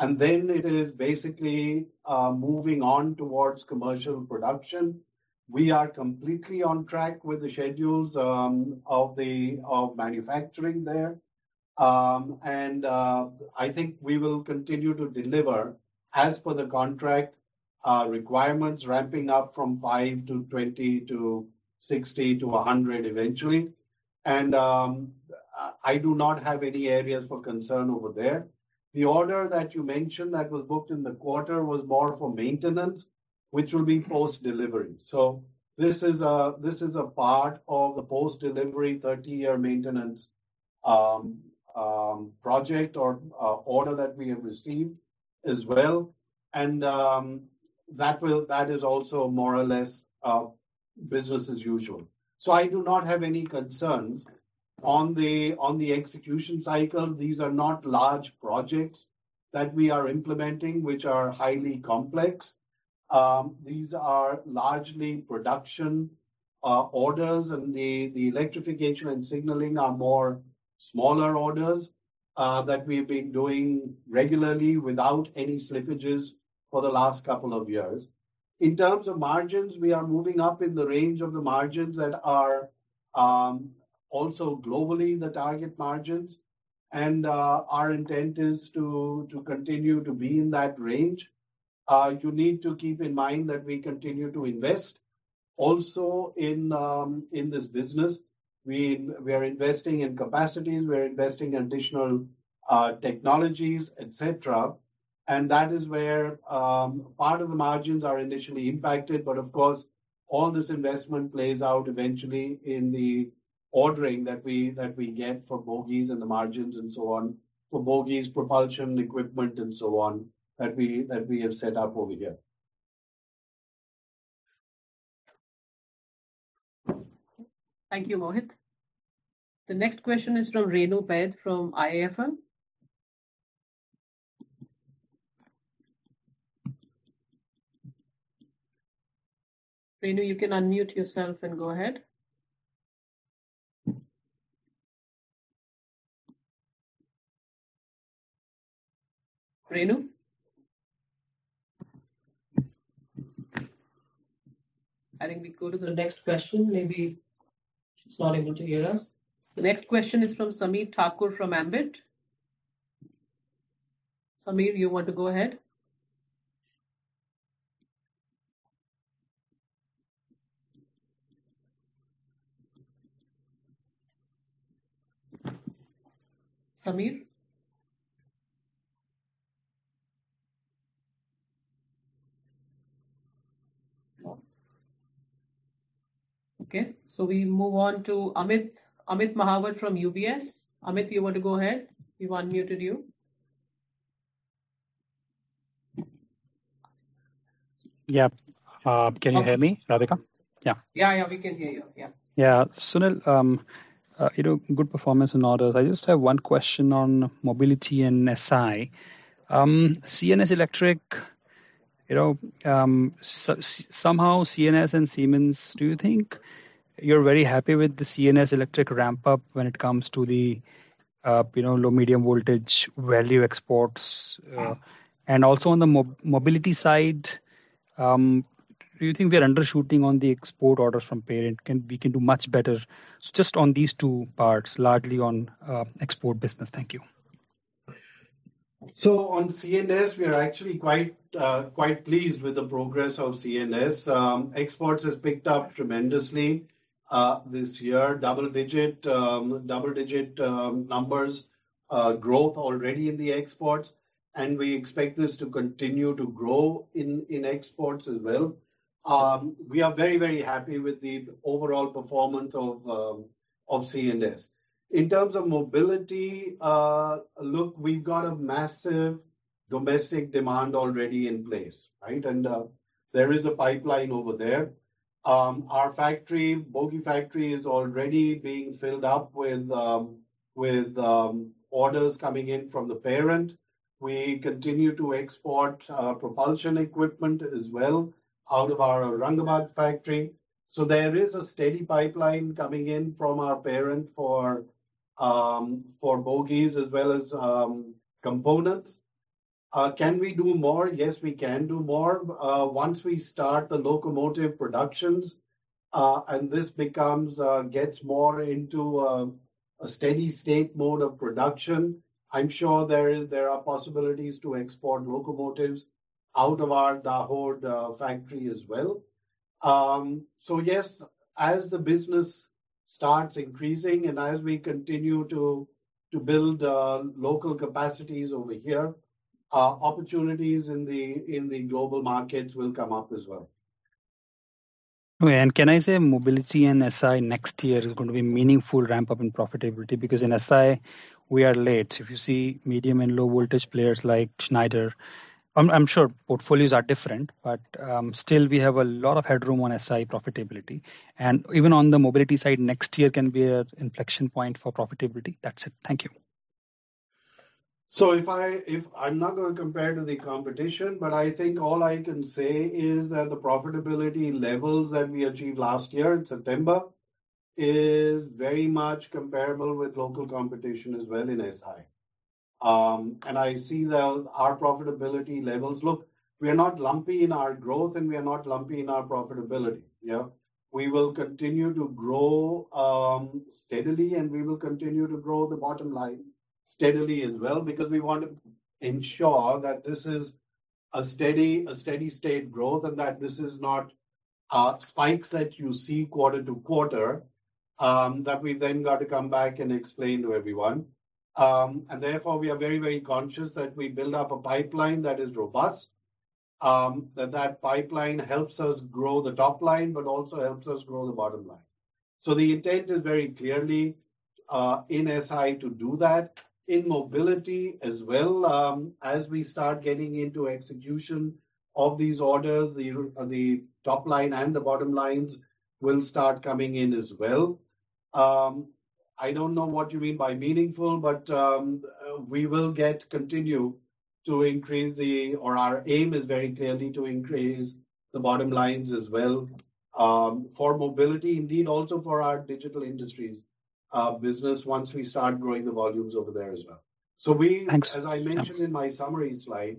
And then it is basically moving on towards commercial production. We are completely on track with the schedules of manufacturing there. I think we will continue to deliver, as per the contract requirements, ramping up from 5 to 20 to 60 to 100 eventually. I do not have any areas for concern over there. The order that you mentioned that was booked in the quarter was more for maintenance, which will be post-delivery. This is a part of the post-delivery 30-year maintenance project or order that we have received as well. That is also more or less business as usual. I do not have any concerns. On the execution cycle, these are not large projects that we are implementing, which are highly complex. These are largely production orders, and the electrification and signaling are more smaller orders that we've been doing regularly without any slippages for the last couple of years. In terms of margins, we are moving up in the range of the margins that are also globally the target margins. And our intent is to continue to be in that range. You need to keep in mind that we continue to invest. Also, in this business, we are investing in capacities. We're investing in additional technologies, etc. And that is where part of the margins are initially impacted. But of course, all this investment plays out eventually in the ordering that we get for bogies and the margins and so on for bogies, propulsion, equipment, and so on that we have set up over here. Thank you, Mohit. The next question is from Renu Baid from IIFL. Renu, you can unmute yourself and go ahead. Renu? I think we go to the next question. Maybe she's not able to hear us. The next question is from Sameer Thakur from Ambit. Sameer, you want to go ahead? Sameer? Okay. So we move on to Amit Mahawar from UBS. Amit, you want to go ahead? We've unmuted you. Yeah. Can you hear me, Radhika? Yeah. Yeah, yeah. We can hear you. Yeah. Yeah. Sunil, good performance and orders. I just have one question on mobility and SI. C&S Electric, somehow C&S and Siemens. Do you think you're very happy with the C&S Electric ramp-up when it comes to the low-medium voltage value exports? And also on the mobility side, do you think we are undershooting on the export orders from Parent? We can do much better. Just on these two parts, largely on export business. Thank you. So on C&S, we are actually quite pleased with the progress of C&S. Exports has picked up tremendously this year, double-digit numbers growth already in the exports, and we expect this to continue to grow in exports as well. We are very, very happy with the overall performance of C&S. In terms of mobility, look, we've got a massive domestic demand already in place, right? There is a pipeline over there. Our bogie factory is already being filled up with orders coming in from the parent. We continue to export propulsion equipment as well out of our Aurangabad factory. There is a steady pipeline coming in from our parent for bogies as well as components. Can we do more? Yes, we can do more. Once we start the locomotive productions and this gets more into a steady-state mode of production, I'm sure there are possibilities to export locomotives out of our Dahod factory as well. So yes, as the business starts increasing and as we continue to build local capacities over here, opportunities in the global markets will come up as well. And can I say mobility and SI next year is going to be a meaningful ramp-up in profitability? Because in SI, we are late. If you see medium and low-voltage players like Schneider, I'm sure portfolios are different. But still, we have a lot of headroom on SI profitability. And even on the mobility side, next year can be an inflection point for profitability. That's it. Thank you. So I'm not going to compare to the competition, but I think all I can say is that the profitability levels that we achieved last year in September is very much comparable with local competition as well in SI. I see that our profitability levels, look, we are not lumpy in our growth, and we are not lumpy in our profitability. We will continue to grow steadily, and we will continue to grow the bottom line steadily as well because we want to ensure that this is a steady-state growth and that this is not spikes that you see quarter to quarter that we've then got to come back and explain to everyone. Therefore, we are very, very conscious that we build up a pipeline that is robust, that that pipeline helps us grow the top line, but also helps us grow the bottom line. The intent is very clearly in SI to do that. In mobility as well, as we start getting into execution of these orders, the top line and the bottom lines will start coming in as well. I don't know what you mean by meaningful, but we will continue to increase the, or our aim is very clearly to increase the bottom lines as well for mobility, indeed, also for our digital industries business once we start growing the volumes over there as well. So as I mentioned in my summary slide,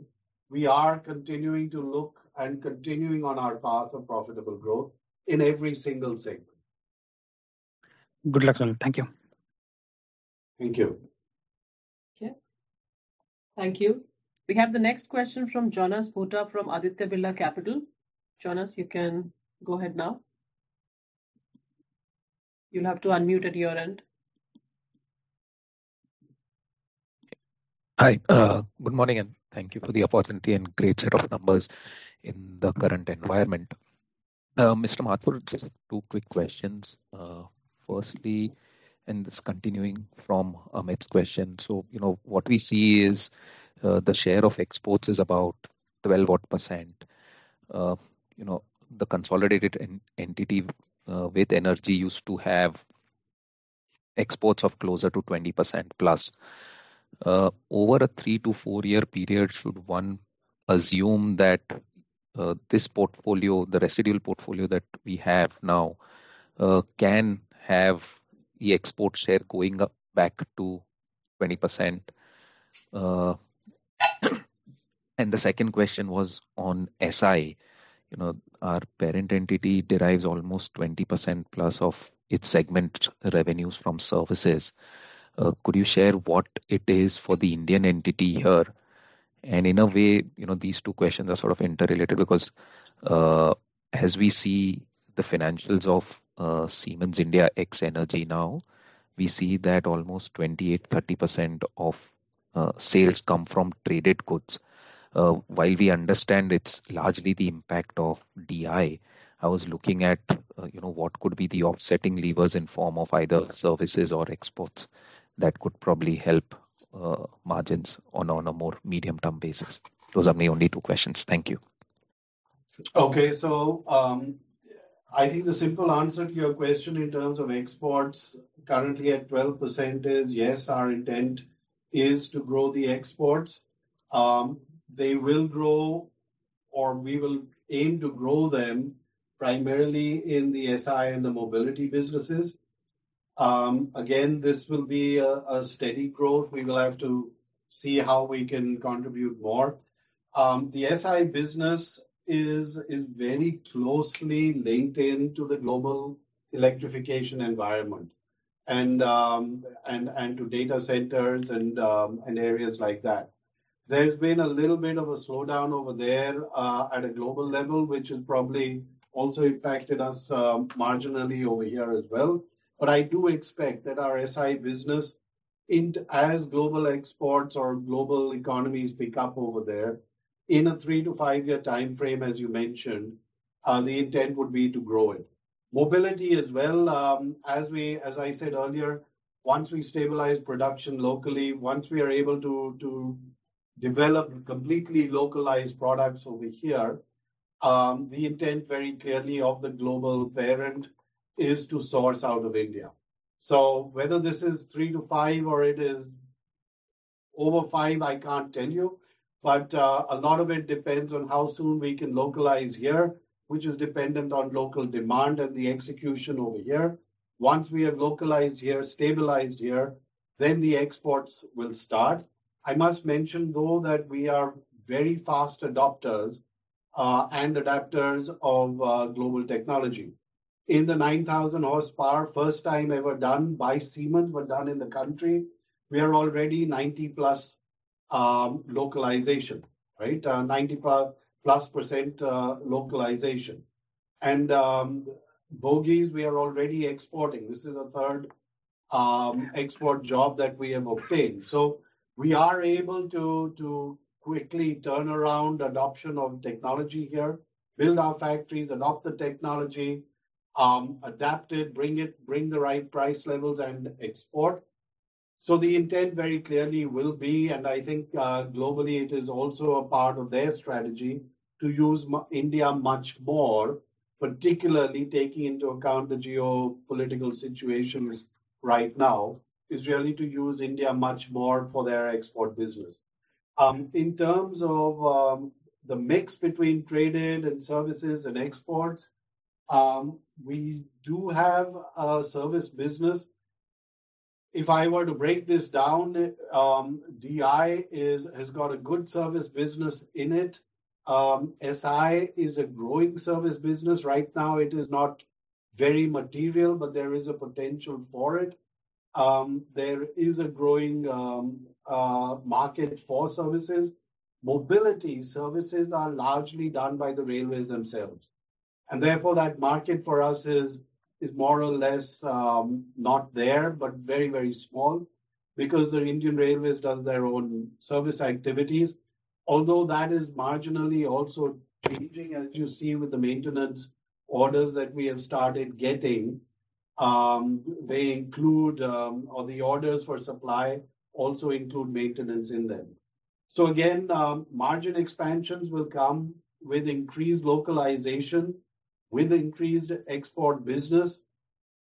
we are continuing to look and continuing on our path of profitable growth in every single segment. Good luck, Sunil. Thank you. Thank you. Thank you. We have the next question from Jonas Bhutta from Aditya Birla Capital. Jonas, you can go ahead now. You'll have to unmute at your end. Hi. Good morning, and thank you for the opportunity and great set of numbers in the current environment. Mr. Mathur, just two quick questions. Firstly, and this continuing from Amit's question. So what we see is the share of exports is about 12-odd%. The consolidated entity with energy used to have exports of closer to 20% plus. Over a three- to four-year period, should one assume that this portfolio, the residual portfolio that we have now, can have the export share going back to 20%? And the second question was on SI. Our parent entity derives almost 20% plus of its segment revenues from services. Could you share what it is for the Indian entity here? And in a way, these two questions are sort of interrelated because as we see the financials of Siemens India ex-Energy now, we see that almost 28-30% of sales come from traded goods. While we understand it's largely the impact of DI, I was looking at what could be the offsetting levers in form of either services or exports that could probably help margins on a more medium-term basis. Those are my only two questions. Thank you. Okay. So I think the simple answer to your question in terms of exports currently at 12% is, yes, our intent is to grow the exports. They will grow, or we will aim to grow them primarily in the SI and the mobility businesses. Again, this will be a steady growth. We will have to see how we can contribute more. The SI business is very closely linked into the global electrification environment and to data centers and areas like that. There's been a little bit of a slowdown over there at a global level, which has probably also impacted us marginally over here as well. But I do expect that our SI business, as global exports or global economies pick up over there, in a three to five-year timeframe, as you mentioned, the intent would be to grow it. Mobility as well, as I said earlier, once we stabilize production locally, once we are able to develop completely localized products over here, the intent very clearly of the global parent is to source out of India. So whether this is three to five or it is over five, I can't tell you. But a lot of it depends on how soon we can localize here, which is dependent on local demand and the execution over here. Once we have localized here, stabilized here, then the exports will start. I must mention, though, that we are very fast adopters and adapters of global technology. In the 9,000 horsepower, first time ever done by Siemens, but done in the country, we are already 90-plus localization, right? 90-plus% localization. And bogies, we are already exporting. This is a third export job that we have obtained. So we are able to quickly turn around adoption of technology here, build our factories, adopt the technology, adapt it, bring the right price levels, and export. So the intent very clearly will be, and I think globally it is also a part of their strategy to use India much more, particularly taking into account the geopolitical situation right now, is really to use India much more for their export business. In terms of the mix between traded, services, and exports, we do have a service business. If I were to break this down, DI has got a good service business in it. SI is a growing service business. Right now, it is not very material, but there is a potential for it. There is a growing market for services. Mobility services are largely done by the railways themselves. And therefore, that market for us is more or less not there, but very, very small because the Indian Railways does their own service activities. Although that is marginally also changing, as you see with the maintenance orders that we have started getting. They include, or the orders for supply also include maintenance in them. So again, margin expansions will come with increased localization, with increased export business,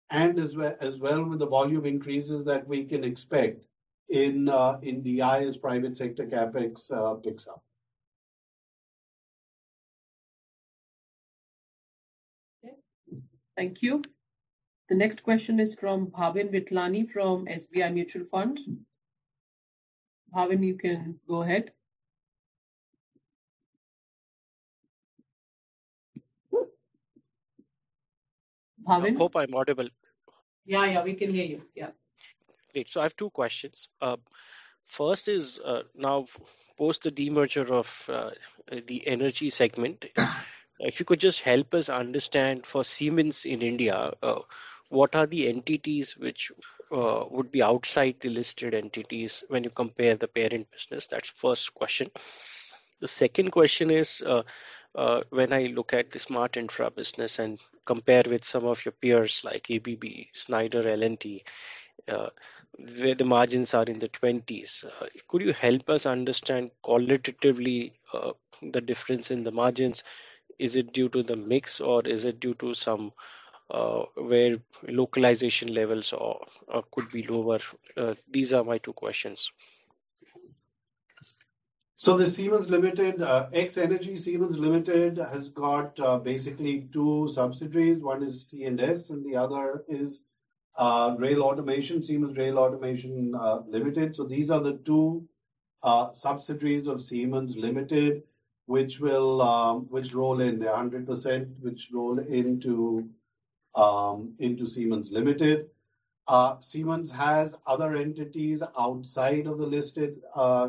and as well with the volume increases that we can expect in DI as private sector CapEx picks up. Okay. Thank you. The next question is from Bhavin Vithlani from SBI Mutual Fund. Bhavin, you can go ahead. Bhavin? I hope I'm audible. Yeah, yeah. We can hear you. Yeah. Great. So I have two questions. First is now, post the demerger of the energy segment, if you could just help us understand for Siemens in India, what are the entities which would be outside the listed entities when you compare the parent business? That's the first question. The second question is, when I look at the smart infra business and compare with some of your peers like ABB, Schneider, L&T, where the margins are in the 20s, could you help us understand qualitatively the difference in the margins? Is it due to the mix, or is it due to somewhere localization levels could be lower? These are my two questions. So the Siemens Limited, ex-Energy Siemens Limited has got basically two subsidiaries. One is C&S, and the other is Rail Automation, Siemens Rail Automation Limited. So these are the two subsidiaries of Siemens Limited, which roll in the 100%, which roll into Siemens Limited. Siemens has other entities outside of the listed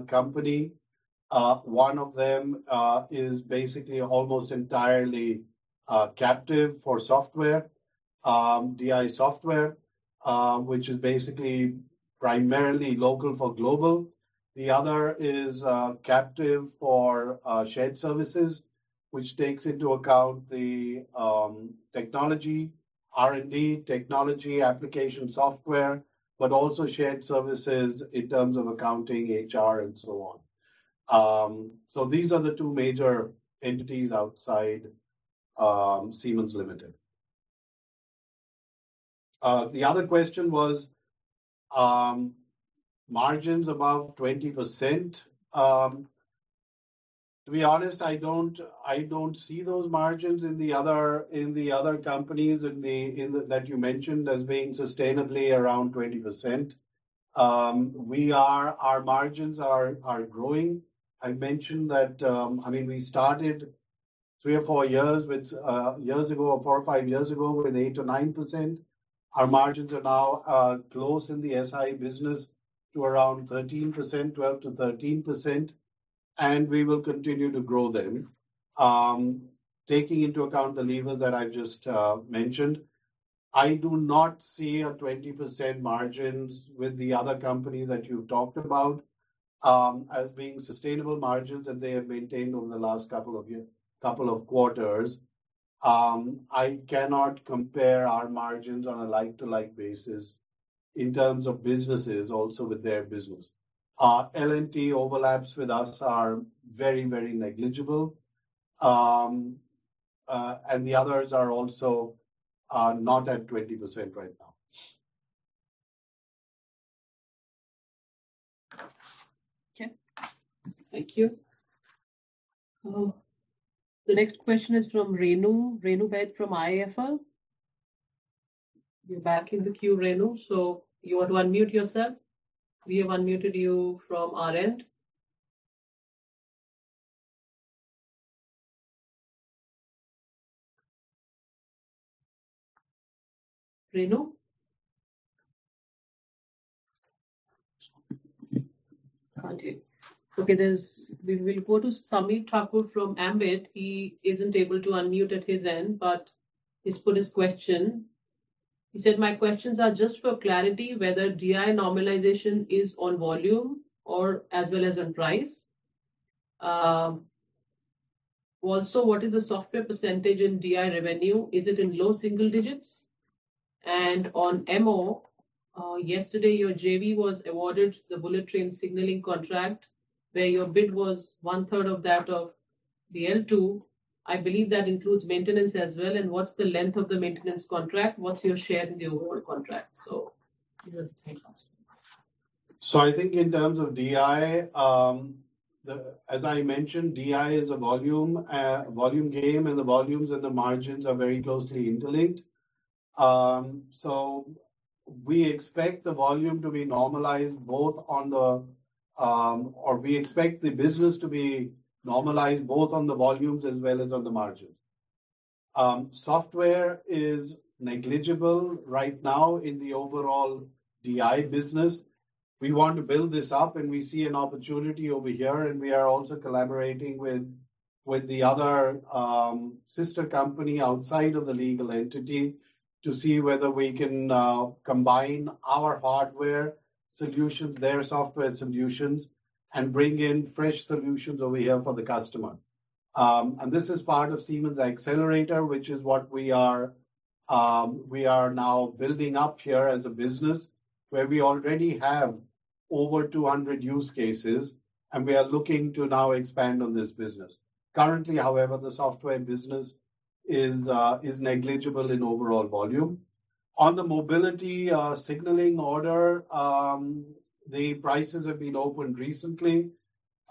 company. One of them is basically almost entirely captive for software, DI software, which is basically primarily local for global. The other is captive for shared services, which takes into account the technology, R&D, technology, application software, but also shared services in terms of accounting, HR, and so on. So these are the two major entities outside Siemens Limited. The other question was margins above 20%. To be honest, I don't see those margins in the other companies that you mentioned as being sustainably around 20%. Our margins are growing. I mentioned that, I mean, we started three or four years ago, four or five years ago, with 8%-9%. Our margins are now close in the SI business to around 13%, 12% to 13%, and we will continue to grow them, taking into account the levers that I've just mentioned. I do not see a 20% margin with the other companies that you've talked about as being sustainable margins, and they have maintained over the last couple of quarters. I cannot compare our margins on a like-to-like basis in terms of businesses, also with their business. L&T overlaps with us are very, very negligible. And the others are also not at 20% right now. Okay. Thank you. The next question is from Renu Baid from IIFL. You're back in the queue, Renu. So you want to unmute yourself? We have unmuted you from our end. Renu? Okay. We will go to Sameer Thakur from Ambit Capital. He isn't able to unmute at his end, but he's put his question. He said, "My questions are just for clarity whether DI normalization is on volume or as well as on price. Also, what is the software percentage in DI revenue? Is it in low single digits?" And on MO, yesterday, your JV was awarded the bullet train signaling contract where your bid was one-third of that of the L2. I believe that includes maintenance as well. And what's the length of the maintenance contract? What's your share in the overall contract? So you have to take question. So I think in terms of DI, as I mentioned, DI is a volume game, and the volumes and the margins are very closely interlinked. So we expect the volume to be normalized, or we expect the business to be normalized both on the volumes as well as on the margins. Software is negligible right now in the overall DI business. We want to build this up, and we see an opportunity over here, and we are also collaborating with the other sister company outside of the legal entity to see whether we can combine our hardware solutions, their software solutions, and bring in fresh solutions over here for the customer, and this is part of Siemens Xcelerator, which is what we are now building up here as a business where we already have over 200 use cases, and we are looking to now expand on this business. Currently, however, the software business is negligible in overall volume. On the mobility signaling order, the prices have been opened recently.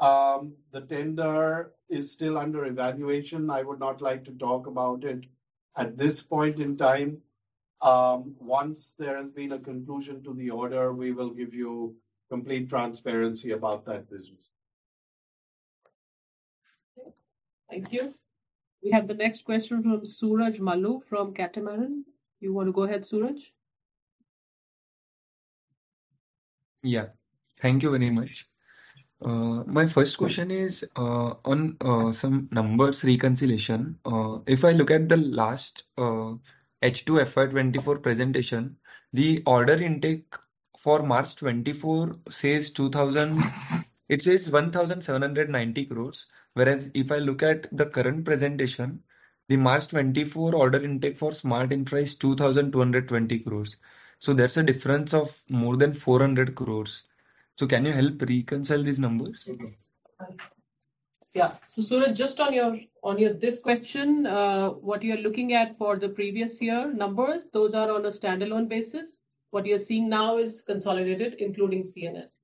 The tender is still under evaluation. I would not like to talk about it at this point in time. Once there has been a conclusion to the order, we will give you complete transparency about that business. Okay. Thank you. We have the next question from Suraj Malu from Catamaran. You want to go ahead, Suraj? Yeah. Thank you very much. My first question is on some numbers reconciliation. If I look at the last H2 FY24 presentation, the order intake for March 24 says, it says 1,790 crores, whereas if I look at the current presentation, the March 24 order intake for smart infra is 2,220 crores. So there's a difference of more than 400 crores. So can you help reconcile these numbers? Okay. Yeah. So Suraj, just on this question, what you are looking at for the previous year numbers, those are on a standalone basis. What you're seeing now is consolidated, including C&S.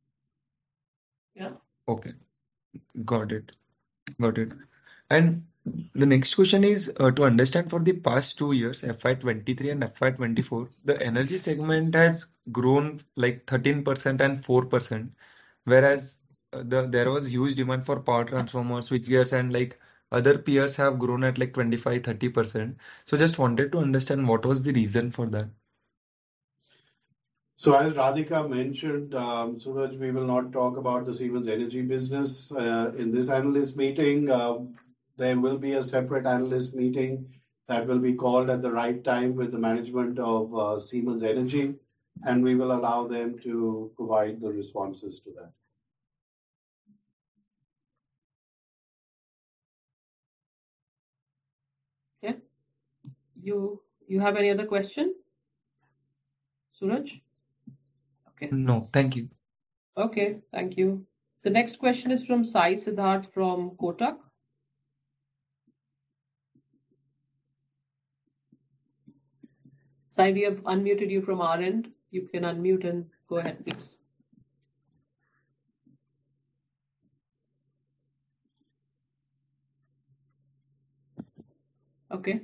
Yeah? Okay. Got it. Got it. And the next question is to understand, for the past two years, FY23 and FY24, the energy segment has grown like 13% and 4%, whereas there was huge demand for power transformers, switchgears, and other peers have grown at like 25%-30%. So just wanted to understand what was the reason for that. So as Radhika mentioned, Suraj, we will not talk about the Siemens Energy business in this analyst meeting. There will be a separate analyst meeting that will be called at the right time with the management of Siemens Energy, and we will allow them to provide the responses to that. Okay. You have any other question? Suraj? Okay. No. Thank you. Okay. Thank you. The next question is from Sai Siddharth from Kotak. Sai, we have unmuted you from our end. You can unmute and go ahead, please. Okay.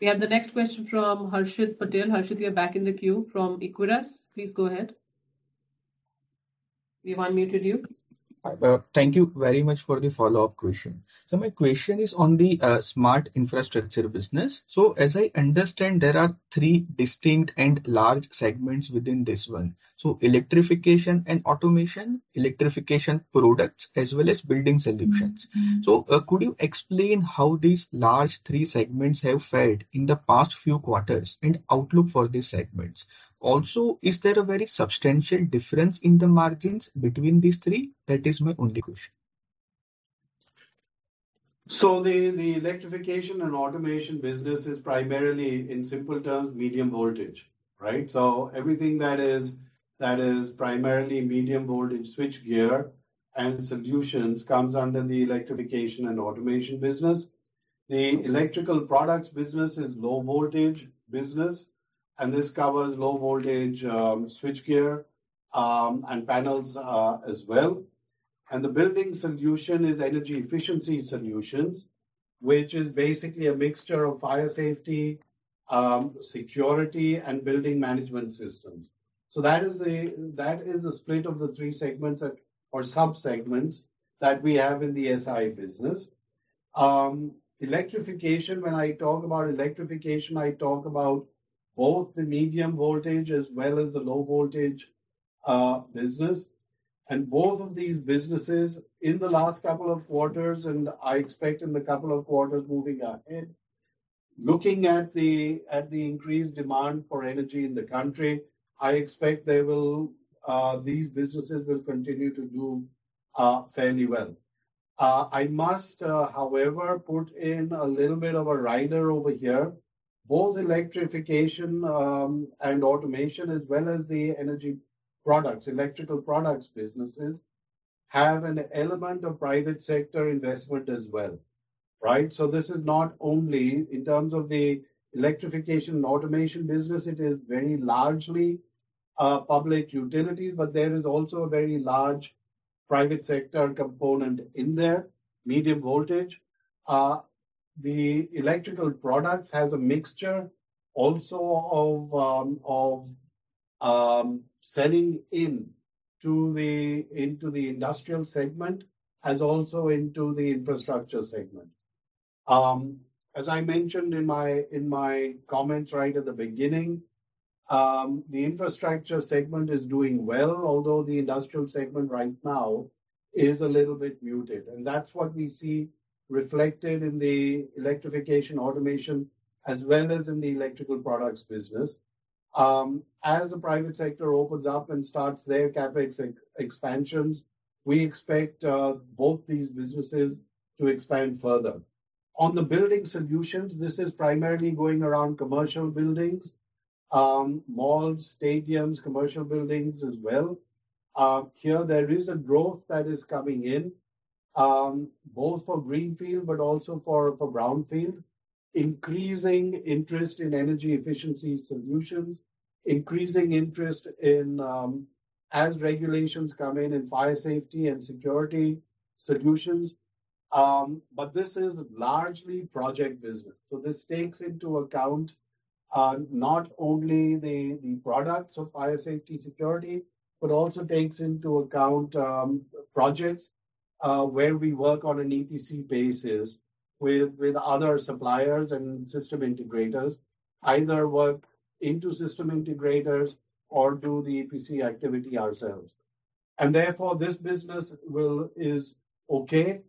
We have the next question from Harshit Patel. Harshit, you're back in the queue from Equirus. Please go ahead. We have unmuted you. Thank you very much for the follow-up question. So my question is on the Smart Infrastructure business. So as I understand, there are three distinct and large segments within this one. So Electrification and Automation, Electrification Products, as well as Building Solutions. So could you explain how these large three segments have fared in the past few quarters and outlook for these segments? Also, is there a very substantial difference in the margins between these three? That is my only question. So the Electrification and Automation business is primarily, in simple terms, medium voltage, right? So everything that is primarily medium voltage switchgear and solutions comes under the Electrification and Automation business. The Electrical Products business is low voltage business, and this covers low voltage switchgear and panels as well. And the building solution is energy efficiency solutions, which is basically a mixture of fire safety, security, and building management systems. So that is the split of the three segments or subsegments that we have in the SI business. When I talk about electrification, I talk about both the medium voltage as well as the low voltage business. And both of these businesses, in the last couple of quarters, and I expect in the couple of quarters moving ahead, looking at the increased demand for energy in the country, I expect these businesses will continue to do fairly well. I must, however, put in a little bit of a rider over here. Both Electrification and Automation, as well as the energy products, Electrical Products businesses, have an element of private sector investment as well, right? So this is not only in terms of the Electrification and Automation business. It is very largely public utilities, but there is also a very large private sector component in there, medium voltage. The Electrical Products has a mixture also of selling into the industrial segment as also into the infrastructure segment. As I mentioned in my comments right at the beginning, the infrastructure segment is doing well, although the industrial segment right now is a little bit muted. And that's what we see reflected in the electrification automation as well as in the Electrical Products business. As the private sector opens up and starts their CapEx expansions, we expect both these businesses to expand further. On the building solutions, this is primarily going around commercial buildings, malls, stadiums, commercial buildings as well. Here, there is a growth that is coming in, both for greenfield but also for brownfield, increasing interest in energy efficiency solutions, increasing interest as regulations come in in fire safety and security solutions. But this is largely project business. So this takes into account not only the products of fire safety security but also takes into account projects where we work on an EPC basis with other suppliers and system integrators, either work into system integrators or do the EPC activity ourselves. And therefore, this business is okay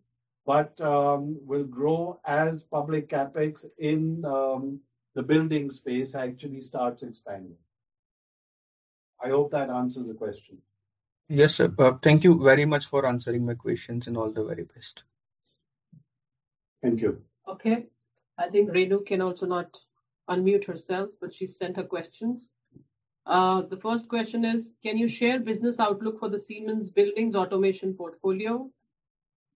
but will grow as public CapEx in the building space actually starts expanding. I hope that answers the question. Yes, sir. Thank you very much for answering my questions and all the very best. Thank you. Okay. I think Renu can also not unmute herself, but she sent her questions. The first question is, can you share business outlook for the Siemens Buildings Automation portfolio?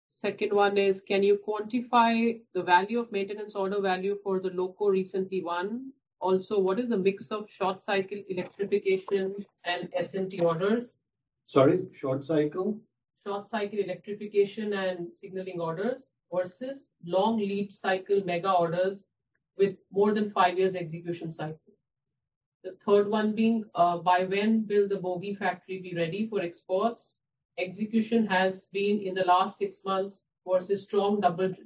Second one is, can you quantify the value of maintenance order value for the loco recently won? Also, what is the mix of short-cycle electrification and S&T orders? Sorry? Short-cycle? Short-cycle electrification and signaling orders versus long lead cycle mega orders with more than five years execution cycle. The third one being, by when will the bogie factory be ready for exports? Execution has been in the last six months versus strong double-digit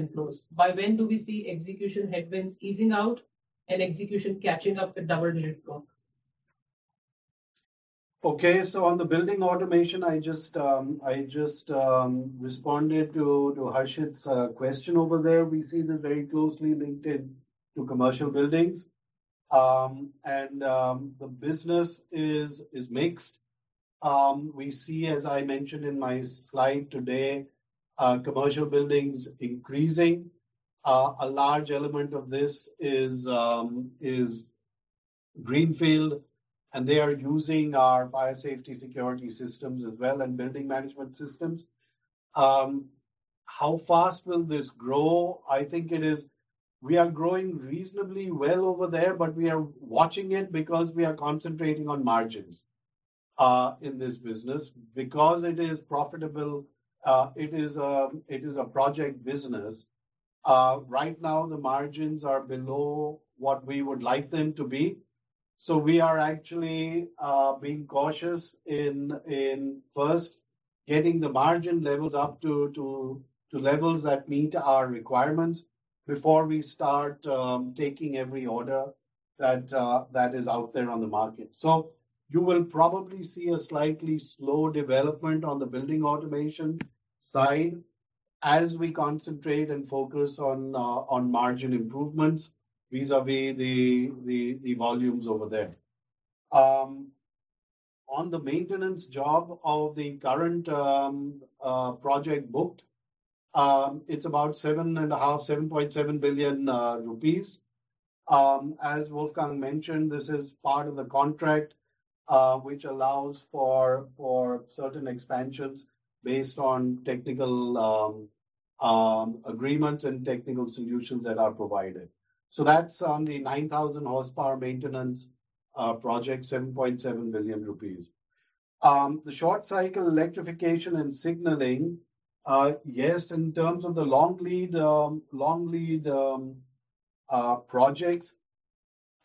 inflows. By when do we see execution headwinds easing out and execution catching up with double-digit growth? Okay. So on the building automation, I just responded to Harshit's question over there. We see them very closely linked to commercial buildings, and the business is mixed. We see, as I mentioned in my slide today, commercial buildings increasing. A large element of this is greenfield, and they are using our fire safety security systems as well and building management systems. How fast will this grow? I think we are growing reasonably well over there, but we are watching it because we are concentrating on margins in this business. Because it is profitable, it is a project business. Right now, the margins are below what we would like them to be. So we are actually being cautious in first getting the margin levels up to levels that meet our requirements before we start taking every order that is out there on the market. So you will probably see a slightly slow development on the building automation side as we concentrate and focus on margin improvements vis-à-vis the volumes over there. On the maintenance job of the current project booked, it's about 7.7 billion rupees. As Wolfgang mentioned, this is part of the contract which allows for certain expansions based on technical agreements and technical solutions that are provided. So that's on the 9,000 horsepower maintenance project, 7.7 billion rupees. The short-cycle electrification and signaling, yes, in terms of the long-lead projects,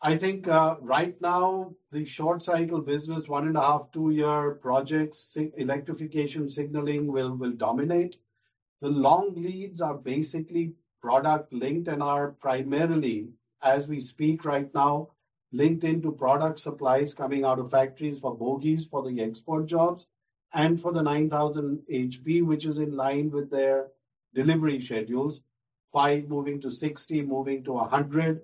I think right now, the short-cycle business, one-and-a-half to two-year projects, electrification, signaling will dominate. The long leads are basically product-linked and are primarily, as we speak right now, linked into product supplies coming out of factories for bogeys for the export jobs and for the 9,000 HP, which is in line with their delivery schedules, 5 moving to 60, moving to 100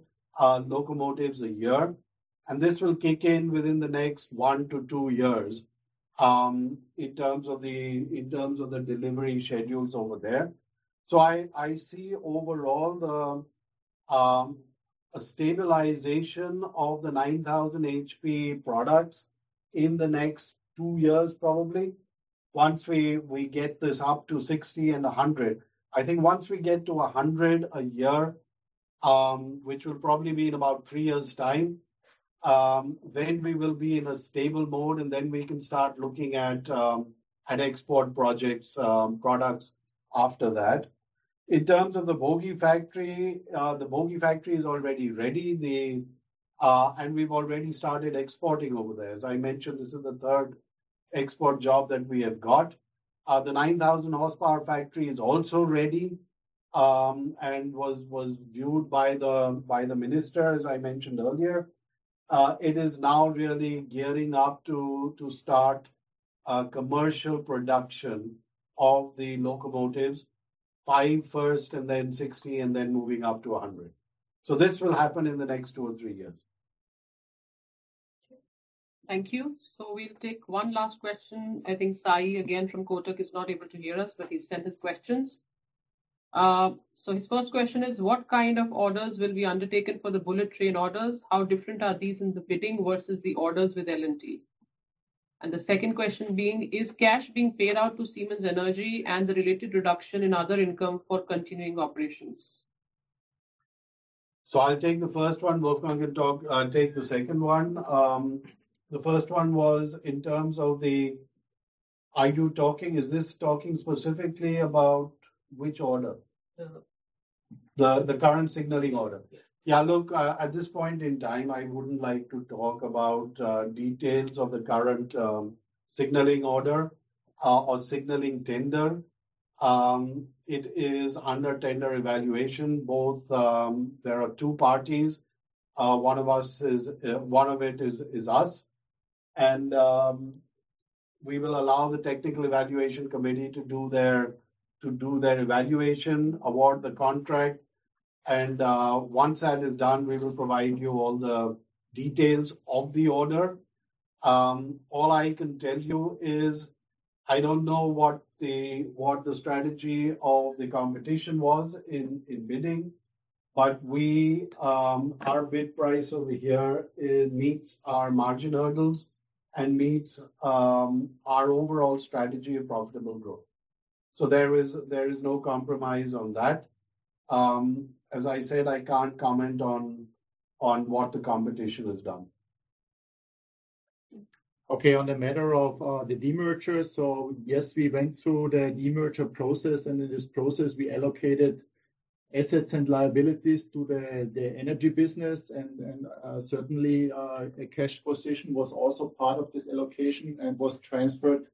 locomotives a year. This will kick in within the next one to two years in terms of the delivery schedules over there. So I see overall a stabilization of the 9,000 HP products in the next two years, probably, once we get this up to 60 and 100. I think once we get to 100 a year, which will probably be in about three years' time, then we will be in a stable mode, and then we can start looking at export products after that. In terms of the bogey factory, the bogey factory is already ready, and we've already started exporting over there. As I mentioned, this is the third export job that we have got. The 9,000 horsepower factory is also ready and was viewed by the minister, as I mentioned earlier. It is now really gearing up to start commercial production of the locomotives, five first and then 60 and then moving up to 100. So this will happen in the next two or three years. Okay. Thank you. So we'll take one last question. I think Sai, again, from Kotak, is not able to hear us, but he sent his questions. So his first question is, what kind of orders will be undertaken for the bullet train orders? How different are these in the bidding versus the orders with L&T? And the second question being, is cash being paid out to Siemens Energy and the related reduction in other income for continuing operations? So I'll take the first one. Wolfgang can take the second one. The first one was in terms of the issue talking. Is this talking specifically about which order? The current signaling order. Yeah. Look, at this point in time, I wouldn't like to talk about details of the current signaling order or signaling tender. It is under tender evaluation. There are two parties. One of it is us. We will allow the technical evaluation committee to do their evaluation, award the contract. And once that is done, we will provide you all the details of the order. All I can tell you is I don't know what the strategy of the competition was in bidding, but our bid price over here meets our margin hurdles and meets our overall strategy of profitable growth. So there is no compromise on that. As I said, I can't comment on what the competition has done. Okay. On the matter of the demergers, so yes, we went through the demerger process. And in this process, we allocated assets and liabilities to the energy business. And certainly, a cash position was also part of this allocation and was transferred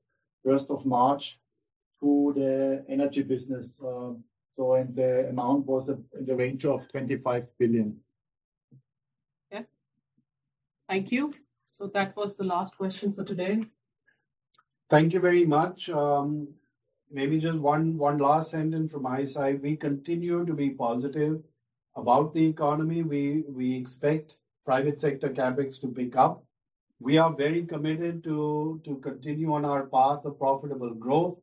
1st of March to the energy business. And the amount was in the range of 25 billion. Okay. Thank you. So that was the last question for today. Thank you very much. Maybe just one last sentence from my side. We continue to be positive about the economy. We expect private sector CapEx to pick up. We are very committed to continue on our path of profitable growth.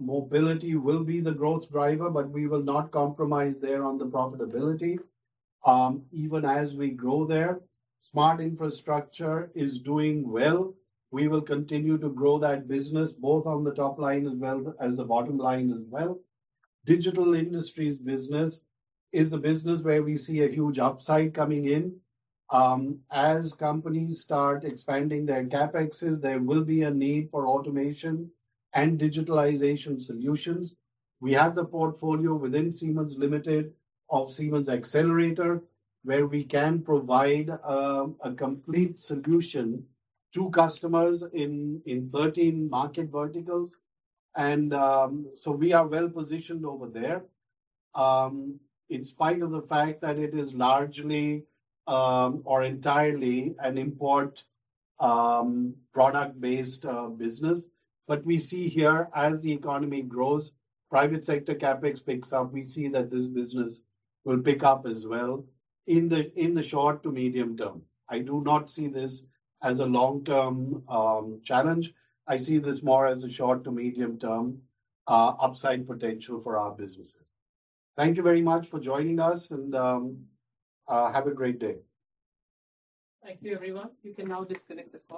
Mobility will be the growth driver, but we will not compromise there on the profitability. Even as we grow there, Smart Infrastructure is doing well. We will continue to grow that business both on the top line as well as the bottom line as well. Digital Industries business is a business where we see a huge upside coming in. As companies start expanding their CapExes, there will be a need for automation and digitalization solutions. We have the portfolio within Siemens Limited of Siemens Xcelerator, where we can provide a complete solution to customers in 13 market verticals. And so we are well positioned over there in spite of the fact that it is largely or entirely an import product-based business. But we see here, as the economy grows, private sector CapEx picks up. We see that this business will pick up as well in the short to medium term. I do not see this as a long-term challenge. I see this more as a short to medium-term upside potential for our businesses. Thank you very much for joining us, and have a great day. Thank you, everyone. You can now disconnect the call.